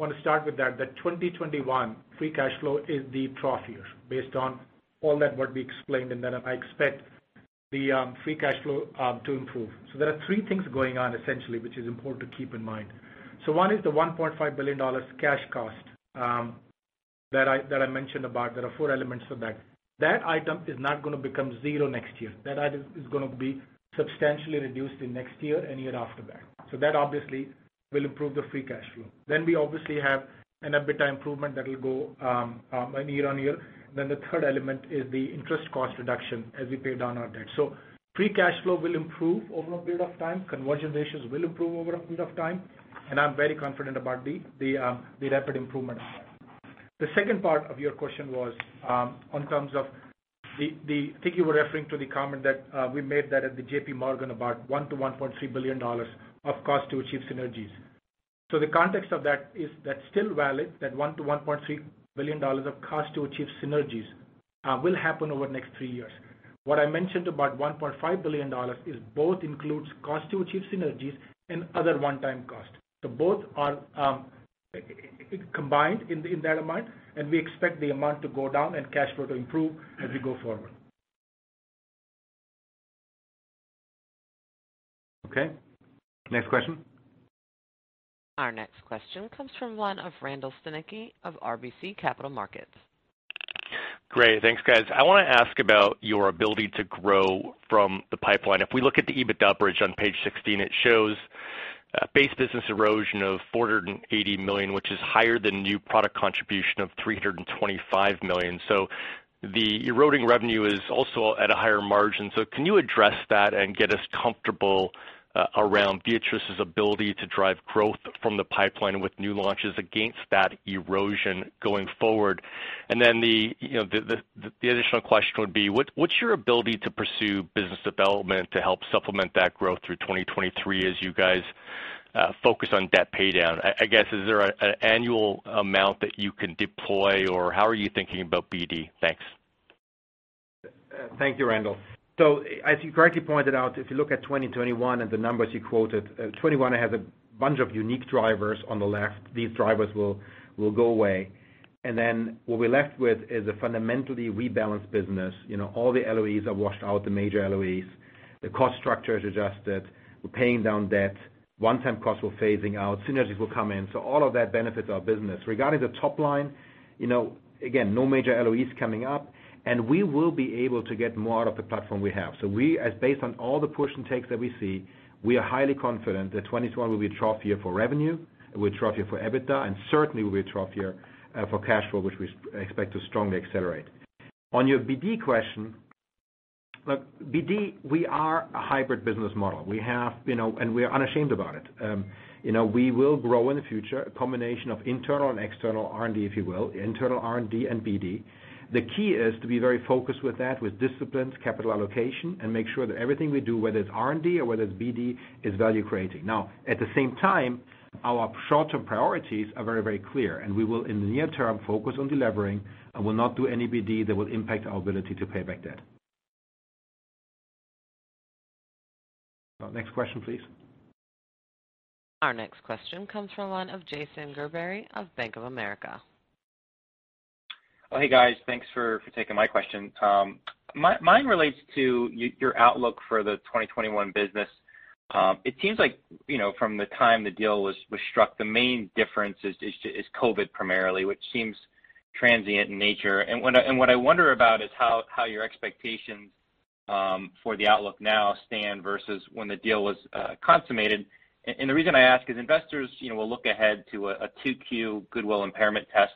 want to start with that. The 2021 free cash flow is the trough year based on all that what we explained, and then I expect the free cash flow to improve. There are three things going on, essentially, which is important to keep in mind. One is the $1.5 billion cash cost that I mentioned about. There are four elements of that. That item is not going to become zero next year. That item is going to be substantially reduced in next year and year after that. That obviously will improve the free cash flow. We obviously have an EBITDA improvement that will go year on year. The third element is the interest cost reduction as we pay down our debt. Free cash flow will improve over a period of time. Conversion ratios will improve over a period of time, and I'm very confident about the rapid improvement. The second part of your question was on terms of the I think you were referring to the comment that we made that at the JPMorgan about $1 billion-$1.3 billion of cost to achieve synergies. The context of that is that's still valid, that $1 billion-$1.3 billion of cost to achieve synergies will happen over the next three years. What I mentioned about $1.5 billion is both includes cost to achieve synergies and other one-time costs. Both are combined in that amount, and we expect the amount to go down and cash flow to improve as we go forward. Okay. Next question. Our next question comes from Randall Stanicky of RBC Capital Markets. Great. Thanks, guys. I want to ask about your ability to grow from the pipeline. If we look at the EBITDA bridge on page 16, it shows base business erosion of $480 million, which is higher than new product contribution of $325 million. The eroding revenue is also at a higher margin. Can you address that and get us comfortable around Viatris's ability to drive growth from the pipeline with new launches against that erosion going forward? The additional question would be, what's your ability to pursue business development to help supplement that growth through 2023 as you guys focus on debt pay down? I guess, is there an annual amount that you can deploy, or how are you thinking about BD? Thanks. Thank you, Randall. As you correctly pointed out, if you look at 2021 and the numbers you quoted, 2021 has a bunch of unique drivers on the left. These drivers will go away. What we are left with is a fundamentally rebalanced business. All the LOEs are washed out, the major LOEs. The cost structure is adjusted. We are paying down debt. One-time costs are phasing out. Synergies will come in. All of that benefits our business. Regarding the top line, again, no major LOEs coming up, and we will be able to get more out of the platform we have. Based on all the push and takes that we see, we are highly confident that 2021 will be a trough year for revenue. It will be a trough year for EBITDA, and certainly will be a trough year for cash flow, which we expect to strongly accelerate. On your BD question, look, BD, we are a hybrid business model, and we are unashamed about it. We will grow in the future, a combination of internal and external R&D, if you will, internal R&D and BD. The key is to be very focused with that, with disciplines, capital allocation, and make sure that everything we do, whether it's R&D or whether it's BD, is value-creating. Now, at the same time, our short-term priorities are very, very clear, and we will, in the near term, focus on delivering and will not do any BD that will impact our ability to pay back debt. Next question, please. Our next question comes from Jason Gerberry of Bank of America. Hey, guys. Thanks for taking my question. Mine relates to your outlook for the 2021 business. It seems like from the time the deal was struck, the main difference is COVID primarily, which seems transient in nature. What I wonder about is how your expectations for the outlook now stand versus when the deal was consummated. The reason I ask is investors will look ahead to a 2Q goodwill impairment test.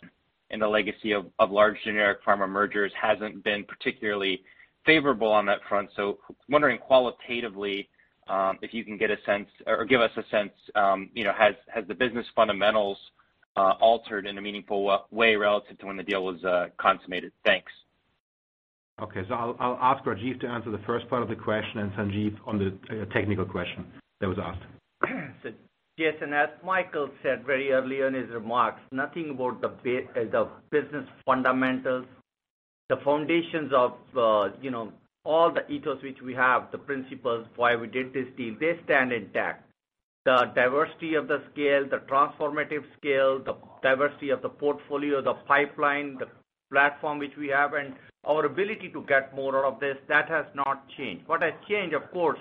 The legacy of large generic pharma mergers hasn't been particularly favorable on that front. Wondering qualitatively if you can get a sense or give us a sense, has the business fundamentals altered in a meaningful way relative to when the deal was consummated? Thanks. Okay. I'll ask Rajiv to answer the first part of the question and Sanjeev on the technical question that was asked. Yes, and as Michael said very early on in his remarks, nothing about the business fundamentals. The foundations of all the ethos which we have, the principles, why we did this deal, they stand intact. The diversity of the scale, the transformative scale, the diversity of the portfolio, the pipeline, the platform which we have, and our ability to get more out of this, that has not changed. What has changed, of course,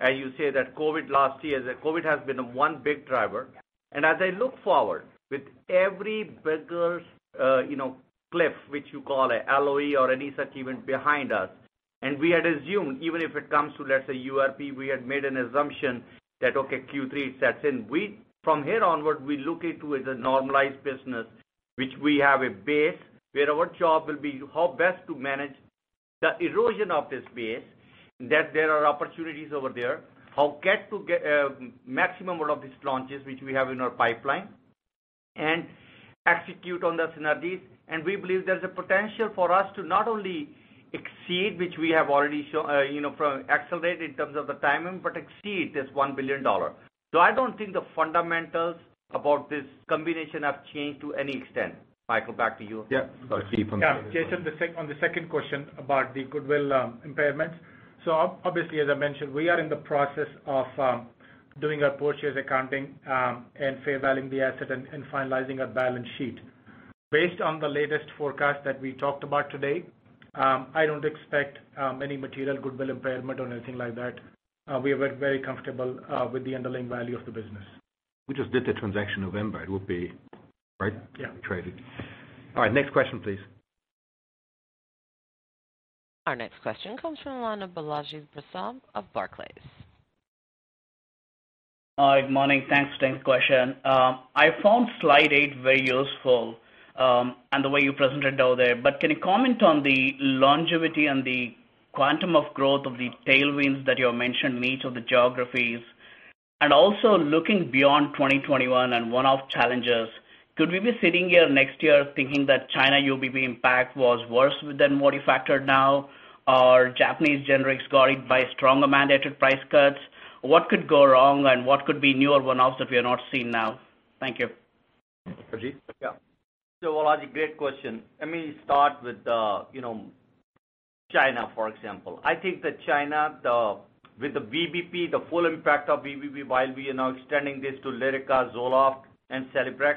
as you say, that COVID last year, COVID has been one big driver. As I look forward with every bigger cliff, which you call an LOE or any such event behind us, and we had assumed, even if it comes to, let's say, URP, we had made an assumption that, okay, Q3 sets in. From here onward, we look into it as a normalized business, which we have a base where our job will be how best to manage the erosion of this base, that there are opportunities over there, how get to maximum out of these launches which we have in our pipeline, and execute on the synergies. We believe there's a potential for us to not only exceed, which we have already accelerated in terms of the timing, but exceed this $1 billion. I do not think the fundamentals about this combination have changed to any extent. Michael, back to you. Yeah. Sorry, keep on. Jason, on the second question about the Goodwill Impairments. As I mentioned, we are in the process of doing our purchase accounting and fair valuing the asset and finalizing our balance sheet. Based on the latest forecast that we talked about today, I don't expect any material Goodwill Impairment or anything like that. We are very comfortable with the underlying value of the business. We just did the transaction in November. It would be right? Yeah. We traded. All right. Next question, please. Our next question comes from Balaji Prasad of Barclays. Hi, good morning. Thanks for the question. I found slide eight very useful and the way you presented it over there. Can you comment on the longevity and the quantum of growth of the tailwinds that you have mentioned in each of the geographies? Also, looking beyond 2021 and one-off challenges, could we be sitting here next year thinking that China VBP impact was worse than what you factored now, or Japanese generics got hit by stronger mandated price cuts? What could go wrong, and what could be newer one-offs that we are not seeing now? Thank you. Rajiv? Yeah. Rajiv, great question. Let me start with China, for example. I think that China, with the full impact of VBP, while we are now extending this to Lyrica, ZOLOFT, and CELEBREX,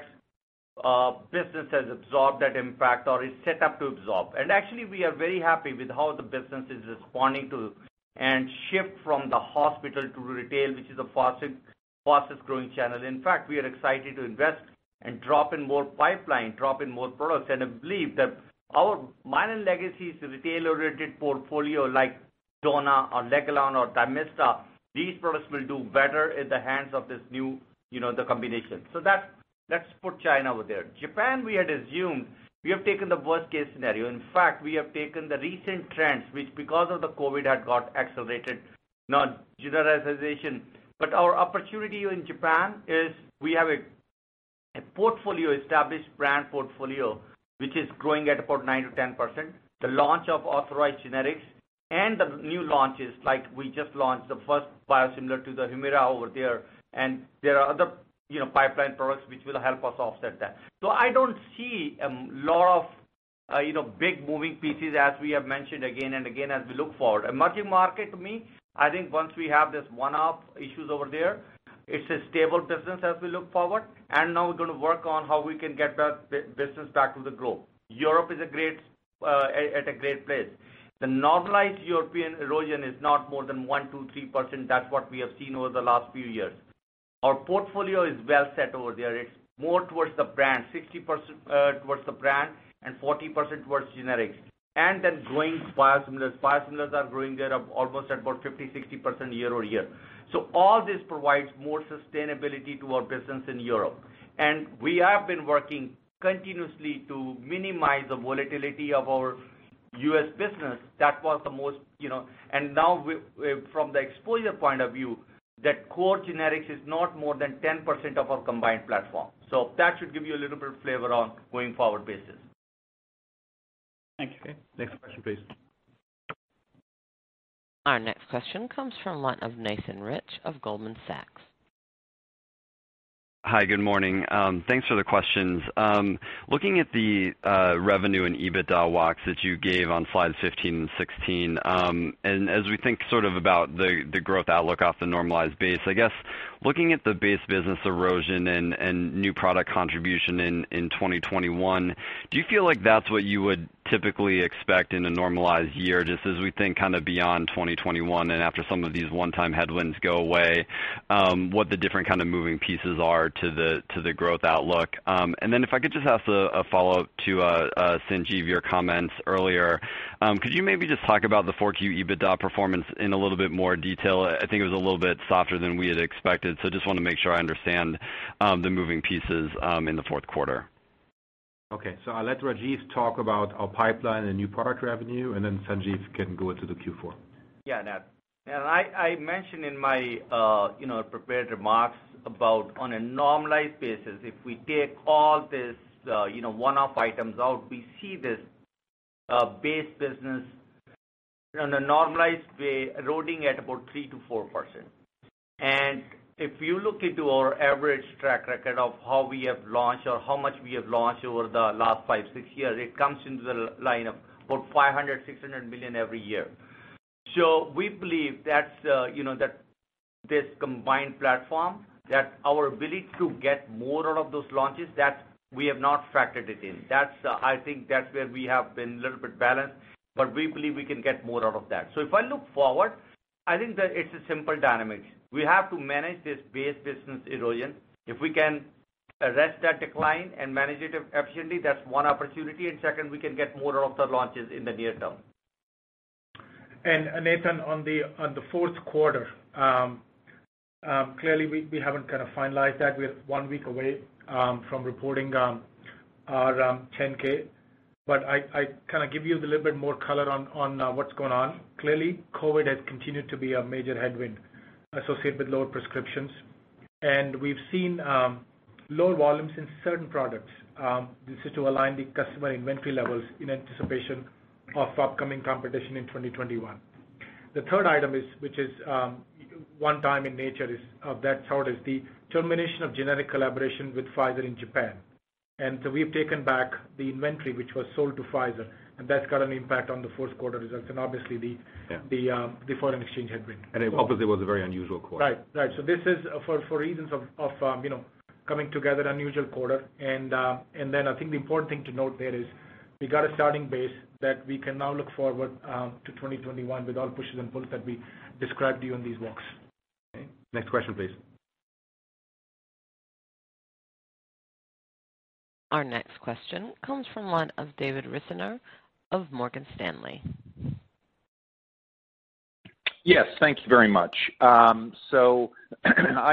business has absorbed that impact or is set up to absorb. Actually, we are very happy with how the business is responding to and shift from the hospital to retail, which is the fastest growing channel. In fact, we are excited to invest and drop in more pipeline, drop in more products. I believe that our modern legacy retail-oriented portfolio like Dona or Legalon or Dymista, these products will do better at the hands of this new combination. Let's put China over there. Japan, we had assumed we have taken the worst-case scenario. In fact, we have taken the recent trends, which because of the COVID had got accelerated, not generalization, but our opportunity in Japan is we have a portfolio, established brand portfolio, which is growing at about 9%-10%, the launch of authorized generics, and the new launches like we just launched the first biosimilar to the Humira over there. There are other pipeline products which will help us offset that. I do not see a lot of big moving pieces, as we have mentioned again and again as we look forward. Emerging market, to me, I think once we have this one-off issues over there, it is a stable business as we look forward. Now we are going to work on how we can get that business back to the globe. Europe is at a great place. The normalized European erosion is not more than 1%, 2%, 3%. That is what we have seen over the last few years. Our portfolio is well set over there. It is more towards the brand, 60% towards the brand and 40% towards generics. Growing biosimilars. Biosimilars are growing there almost at about 50%-60% year over year. All this provides more sustainability to our business in Europe. We have been working continuously to minimize the volatility of our U.S. business. That was the most. Now, from the exposure point of view, that core generics is not more than 10% of our combined platform. That should give you a little bit of flavor on a going forward basis. Thank you. Okay. Next question, please. Our next question comes from Nathan Rich of Goldman Sachs. Hi, good morning. Thanks for the questions. Looking at the revenue and EBITDA walks that you gave on slides 15 and 16, and as we think sort of about the growth outlook off the normalized base, I guess looking at the base business erosion and new product contribution in 2021, do you feel like that's what you would typically expect in a normalized year just as we think kind of beyond 2021 and after some of these one-time headwinds go away, what the different kind of moving pieces are to the growth outlook? If I could just ask a follow-up to Sanjeev, your comments earlier, could you maybe just talk about the 4Q EBITDA performance in a little bit more detail? I think it was a little bit softer than we had expected, so I just want to make sure I understand the moving pieces in the fourth quarter. Okay. I'll let Rajiv talk about our pipeline and new product revenue, and then Sanjeev can go to the Q4. Yeah, Nat. I mentioned in my prepared remarks about on a normalized basis, if we take all these one-off items out, we see this base business on a normalized way eroding at about 3%-4%. If you look into our average track record of how we have launched or how much we have launched over the last five, six years, it comes into the line of about $500 million-$600 million every year. We believe that this combined platform, that our ability to get more out of those launches, we have not factored it in. I think that's where we have been a little bit balanced, but we believe we can get more out of that. If I look forward, I think that it's a simple dynamic. We have to manage this base business erosion. If we can arrest that decline and manage it efficiently, that's one opportunity. Second, we can get more out of the launches in the near term. Nathan, on the fourth quarter, clearly, we have not kind of finalized that. We are one week away from reporting our 10-K. I kind of give you a little bit more color on what is going on. Clearly, COVID has continued to be a major headwind associated with lower prescriptions. We have seen lower volumes in certain products just to align the customer inventory levels in anticipation of upcoming competition in 2021. The third item, which is one-time in nature, that is how it is, the termination of generic collaboration with Pfizer in Japan. We have taken back the inventory which was sold to Pfizer, and that has got an impact on the fourth quarter results and obviously the foreign exchange headwind. It obviously was a very unusual quarter. Right. Right. This is for reasons of coming together, unusual quarter. I think the important thing to note there is we got a starting base that we can now look forward to 2021 with all pushes and pulls that we described to you in these walks. Okay. Next question, please. Our next question comes from David Risinger of Morgan Stanley. Yes. Thank you very much. I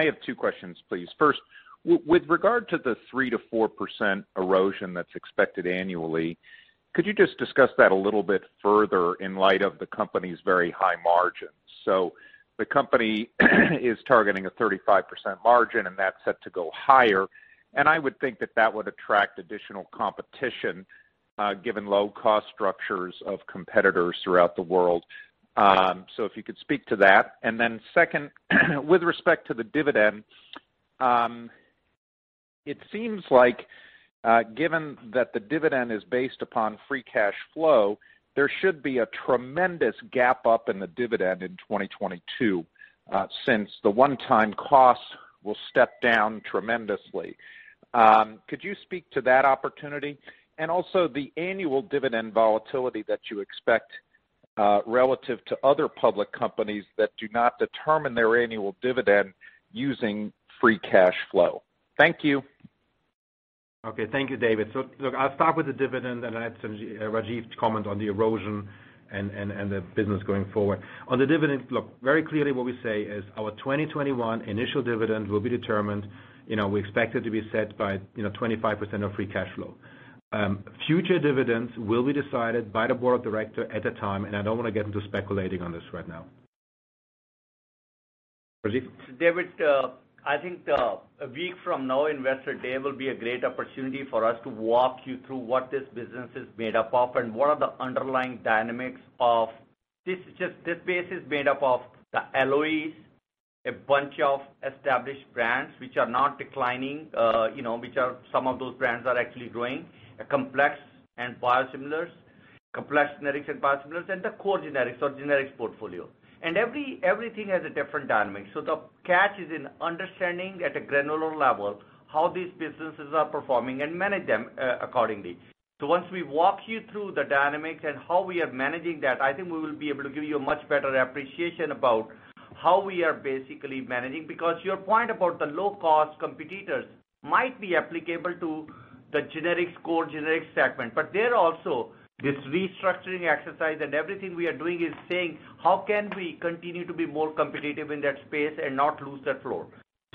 have two questions, please. First, with regard to the 3%-4% erosion that is expected annually, could you just discuss that a little bit further in light of the company's very high margins? The company is targeting a 35% margin, and that is set to go higher. I would think that would attract additional competition given low-cost structures of competitors throughout the world. If you could speak to that. Second, with respect to the dividend, it seems like given that the dividend is based upon free cash flow, there should be a tremendous gap up in the dividend in 2022 since the one-time costs will step down tremendously. Could you speak to that opportunity? Also the annual dividend volatility that you expect relative to other public companies that do not determine their annual dividend using free cash flow. Thank you. Okay. Thank you, David. Look, I'll start with the dividend, and I'd like Rajiv to comment on the erosion and the business going forward. On the dividend, very clearly what we say is our 2021 initial dividend will be determined. We expect it to be set by 25% of free cash flow. Future dividends will be decided by the board of directors at the time, and I don't want to get into speculating on this right now. Rajiv? David, I think a week from now, Investor Day will be a great opportunity for us to walk you through what this business is made up of and what are the underlying dynamics of this base is made up of the LOEs, a bunch of established brands which are not declining, which are some of those brands that are actually growing, complex and biosimilars, complex generics and biosimilars, and the core generics or generics portfolio. Everything has a different dynamic. The catch is in understanding at a granular level how these businesses are performing and manage them accordingly. Once we walk you through the dynamics and how we are managing that, I think we will be able to give you a much better appreciation about how we are basically managing. Because your point about the low-cost competitors might be applicable to the generics core generics segment, but there is also this restructuring exercise, and everything we are doing is saying, "How can we continue to be more competitive in that space and not lose that floor?"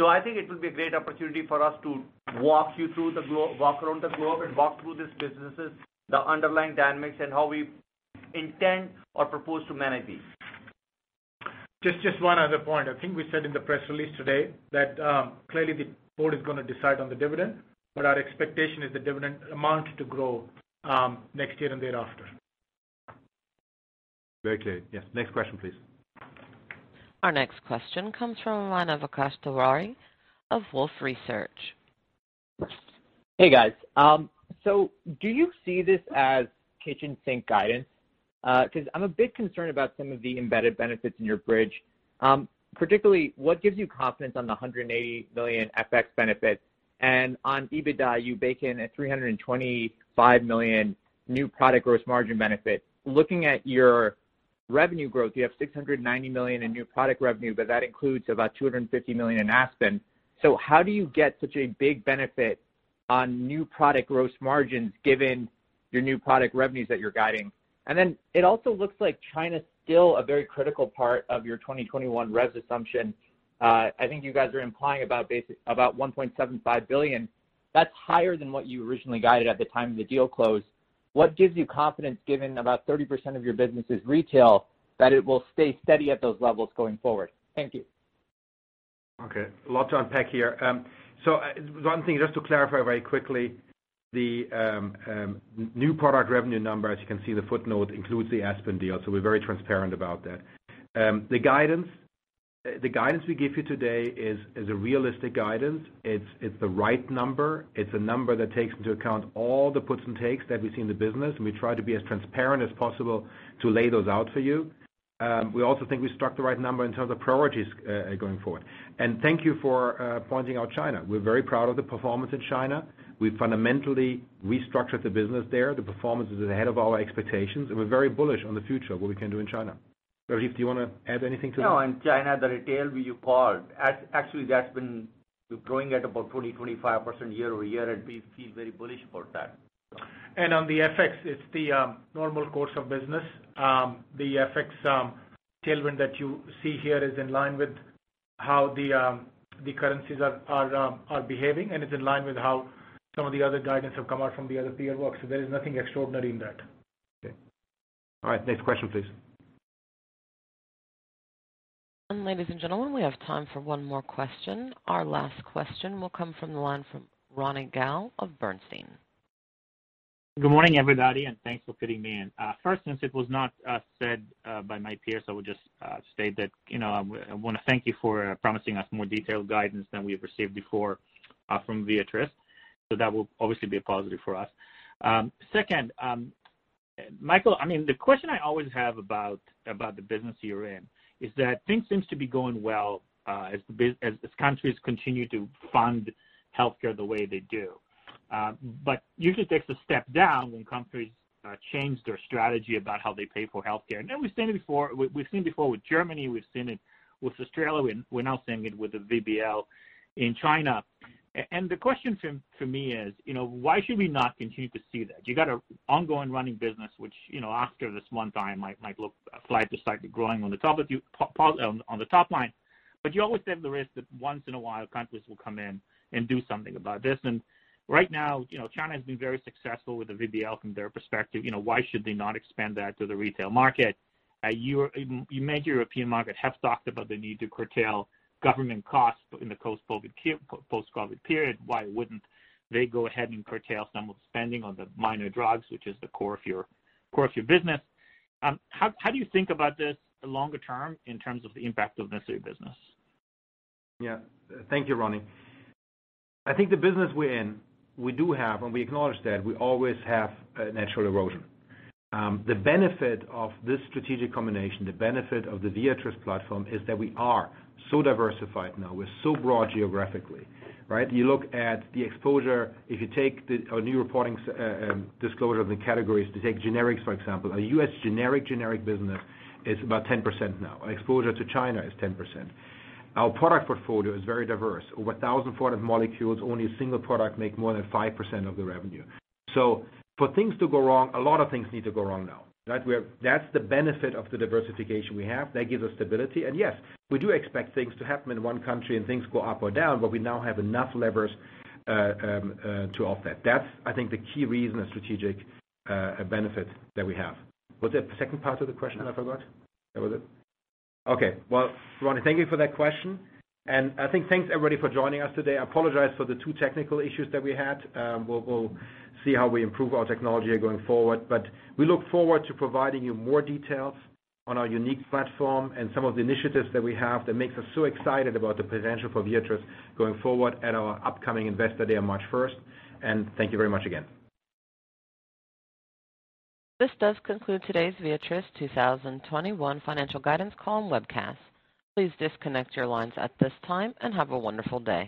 I think it will be a great opportunity for us to walk you through the walk around the globe and walk through these businesses, the underlying dynamics, and how we intend or propose to manage these. Just one other point. I think we said in the press release today that clearly the board is going to decide on the dividend, but our expectation is the dividend amount to grow next year and thereafter. Very clear. Yeah. Next question, please. Our next question comes from Akash Tewari of Wolfe Research. Hey, guys. Do you see this as kitchen sink guidance? Because I'm a bit concerned about some of the embedded benefits in your bridge. Particularly, what gives you confidence on the $180 million FX benefit? On EBITDA, you bake in a $325 million new product gross margin benefit. Looking at your revenue growth, you have $690 million in new product revenue, but that includes about $250 million in Aspen. How do you get such a big benefit on new product gross margins given your new product revenues that you're guiding? It also looks like China is still a very critical part of your 2021 res assumption. I think you guys are implying about $1.75 billion. That's higher than what you originally guided at the time of the deal close. What gives you confidence given about 30% of your business is retail that it will stay steady at those levels going forward? Thank you. Okay. A lot to unpack here. One thing, just to clarify very quickly, the new product revenue number, as you can see in the footnote, includes the Aspen deal. We are very transparent about that. The guidance we give you today is a realistic guidance. It is the right number. It is a number that takes into account all the puts and takes that we see in the business. We try to be as transparent as possible to lay those out for you. We also think we struck the right number in terms of priorities going forward. Thank you for pointing out China. We are very proud of the performance in China. We fundamentally restructured the business there. The performance is ahead of our expectations. We are very bullish on the future of what we can do in China. Rajiv, do you want to add anything to that? No. China, the retail you called, actually, that's been growing at about 20%-25% year over year, and we feel very bullish about that. On the FX, it's the normal course of business. The FX tailwind that you see here is in line with how the currencies are behaving, and it's in line with how some of the other guidance have come out from the other peer works. There is nothing extraordinary in that. Okay. All right. Next question, please. Ladies and gentlemen, we have time for one more question. Our last question will come from the line from Ronny Gal of Bernstein. Good morning, everybody, and thanks for fitting me in. First, since it was not said by my peers, I would just state that I want to thank you for promising us more detailed guidance than we've received before from Viatris. That will obviously be a positive for us. Second, Michael, I mean, the question I always have about the business you're in is that things seem to be going well as countries continue to fund healthcare the way they do. Usually, it takes a step down when countries change their strategy about how they pay for healthcare. We've seen it before with Germany. We've seen it with Australia. We're now seeing it with the BBL in China. The question for me is, why should we not continue to see that? You got an ongoing running business, which after this one time might look slightly growing on the top line. You always have the risk that once in a while, countries will come in and do something about this. Right now, China has been very successful with the BBL from their perspective. Why should they not expand that to the retail market? You mentioned European market have talked about the need to curtail government costs in the post-COVID period. Why would they not go ahead and curtail some of the spending on the minor drugs, which is the core of your business? How do you think about this longer term in terms of the impact of this new business? Yeah. Thank you, Ronny. I think the business we're in, we do have, and we acknowledge that we always have natural erosion. The benefit of this strategic combination, the benefit of the Viatris platform, is that we are so diversified now. We're so broad geographically, right? You look at the exposure. If you take our new reporting disclosure in the categories, to take generics, for example, our US generic business is about 10% now. Our exposure to China is 10%. Our product portfolio is very diverse. Over 1,400 molecules, only a single product makes more than 5% of the revenue. For things to go wrong, a lot of things need to go wrong now, right? That's the benefit of the diversification we have. That gives us stability. Yes, we do expect things to happen in one country and things go up or down, but we now have enough levers to offset that. That is, I think, the key reason and strategic benefit that we have. Was there a second part of the question that I forgot? That was it? Okay. Ronny, thank you for that question. I think thanks, everybody, for joining us today. I apologize for the two technical issues that we had. We will see how we improve our technology going forward. We look forward to providing you more details on our unique platform and some of the initiatives that we have that make us so excited about the potential for Viatris going forward at our upcoming Investor Day on March 1. Thank you very much again. This does conclude today's Viatris 2021 Financial Guidance Call and Webcast. Please disconnect your lines at this time and have a wonderful day.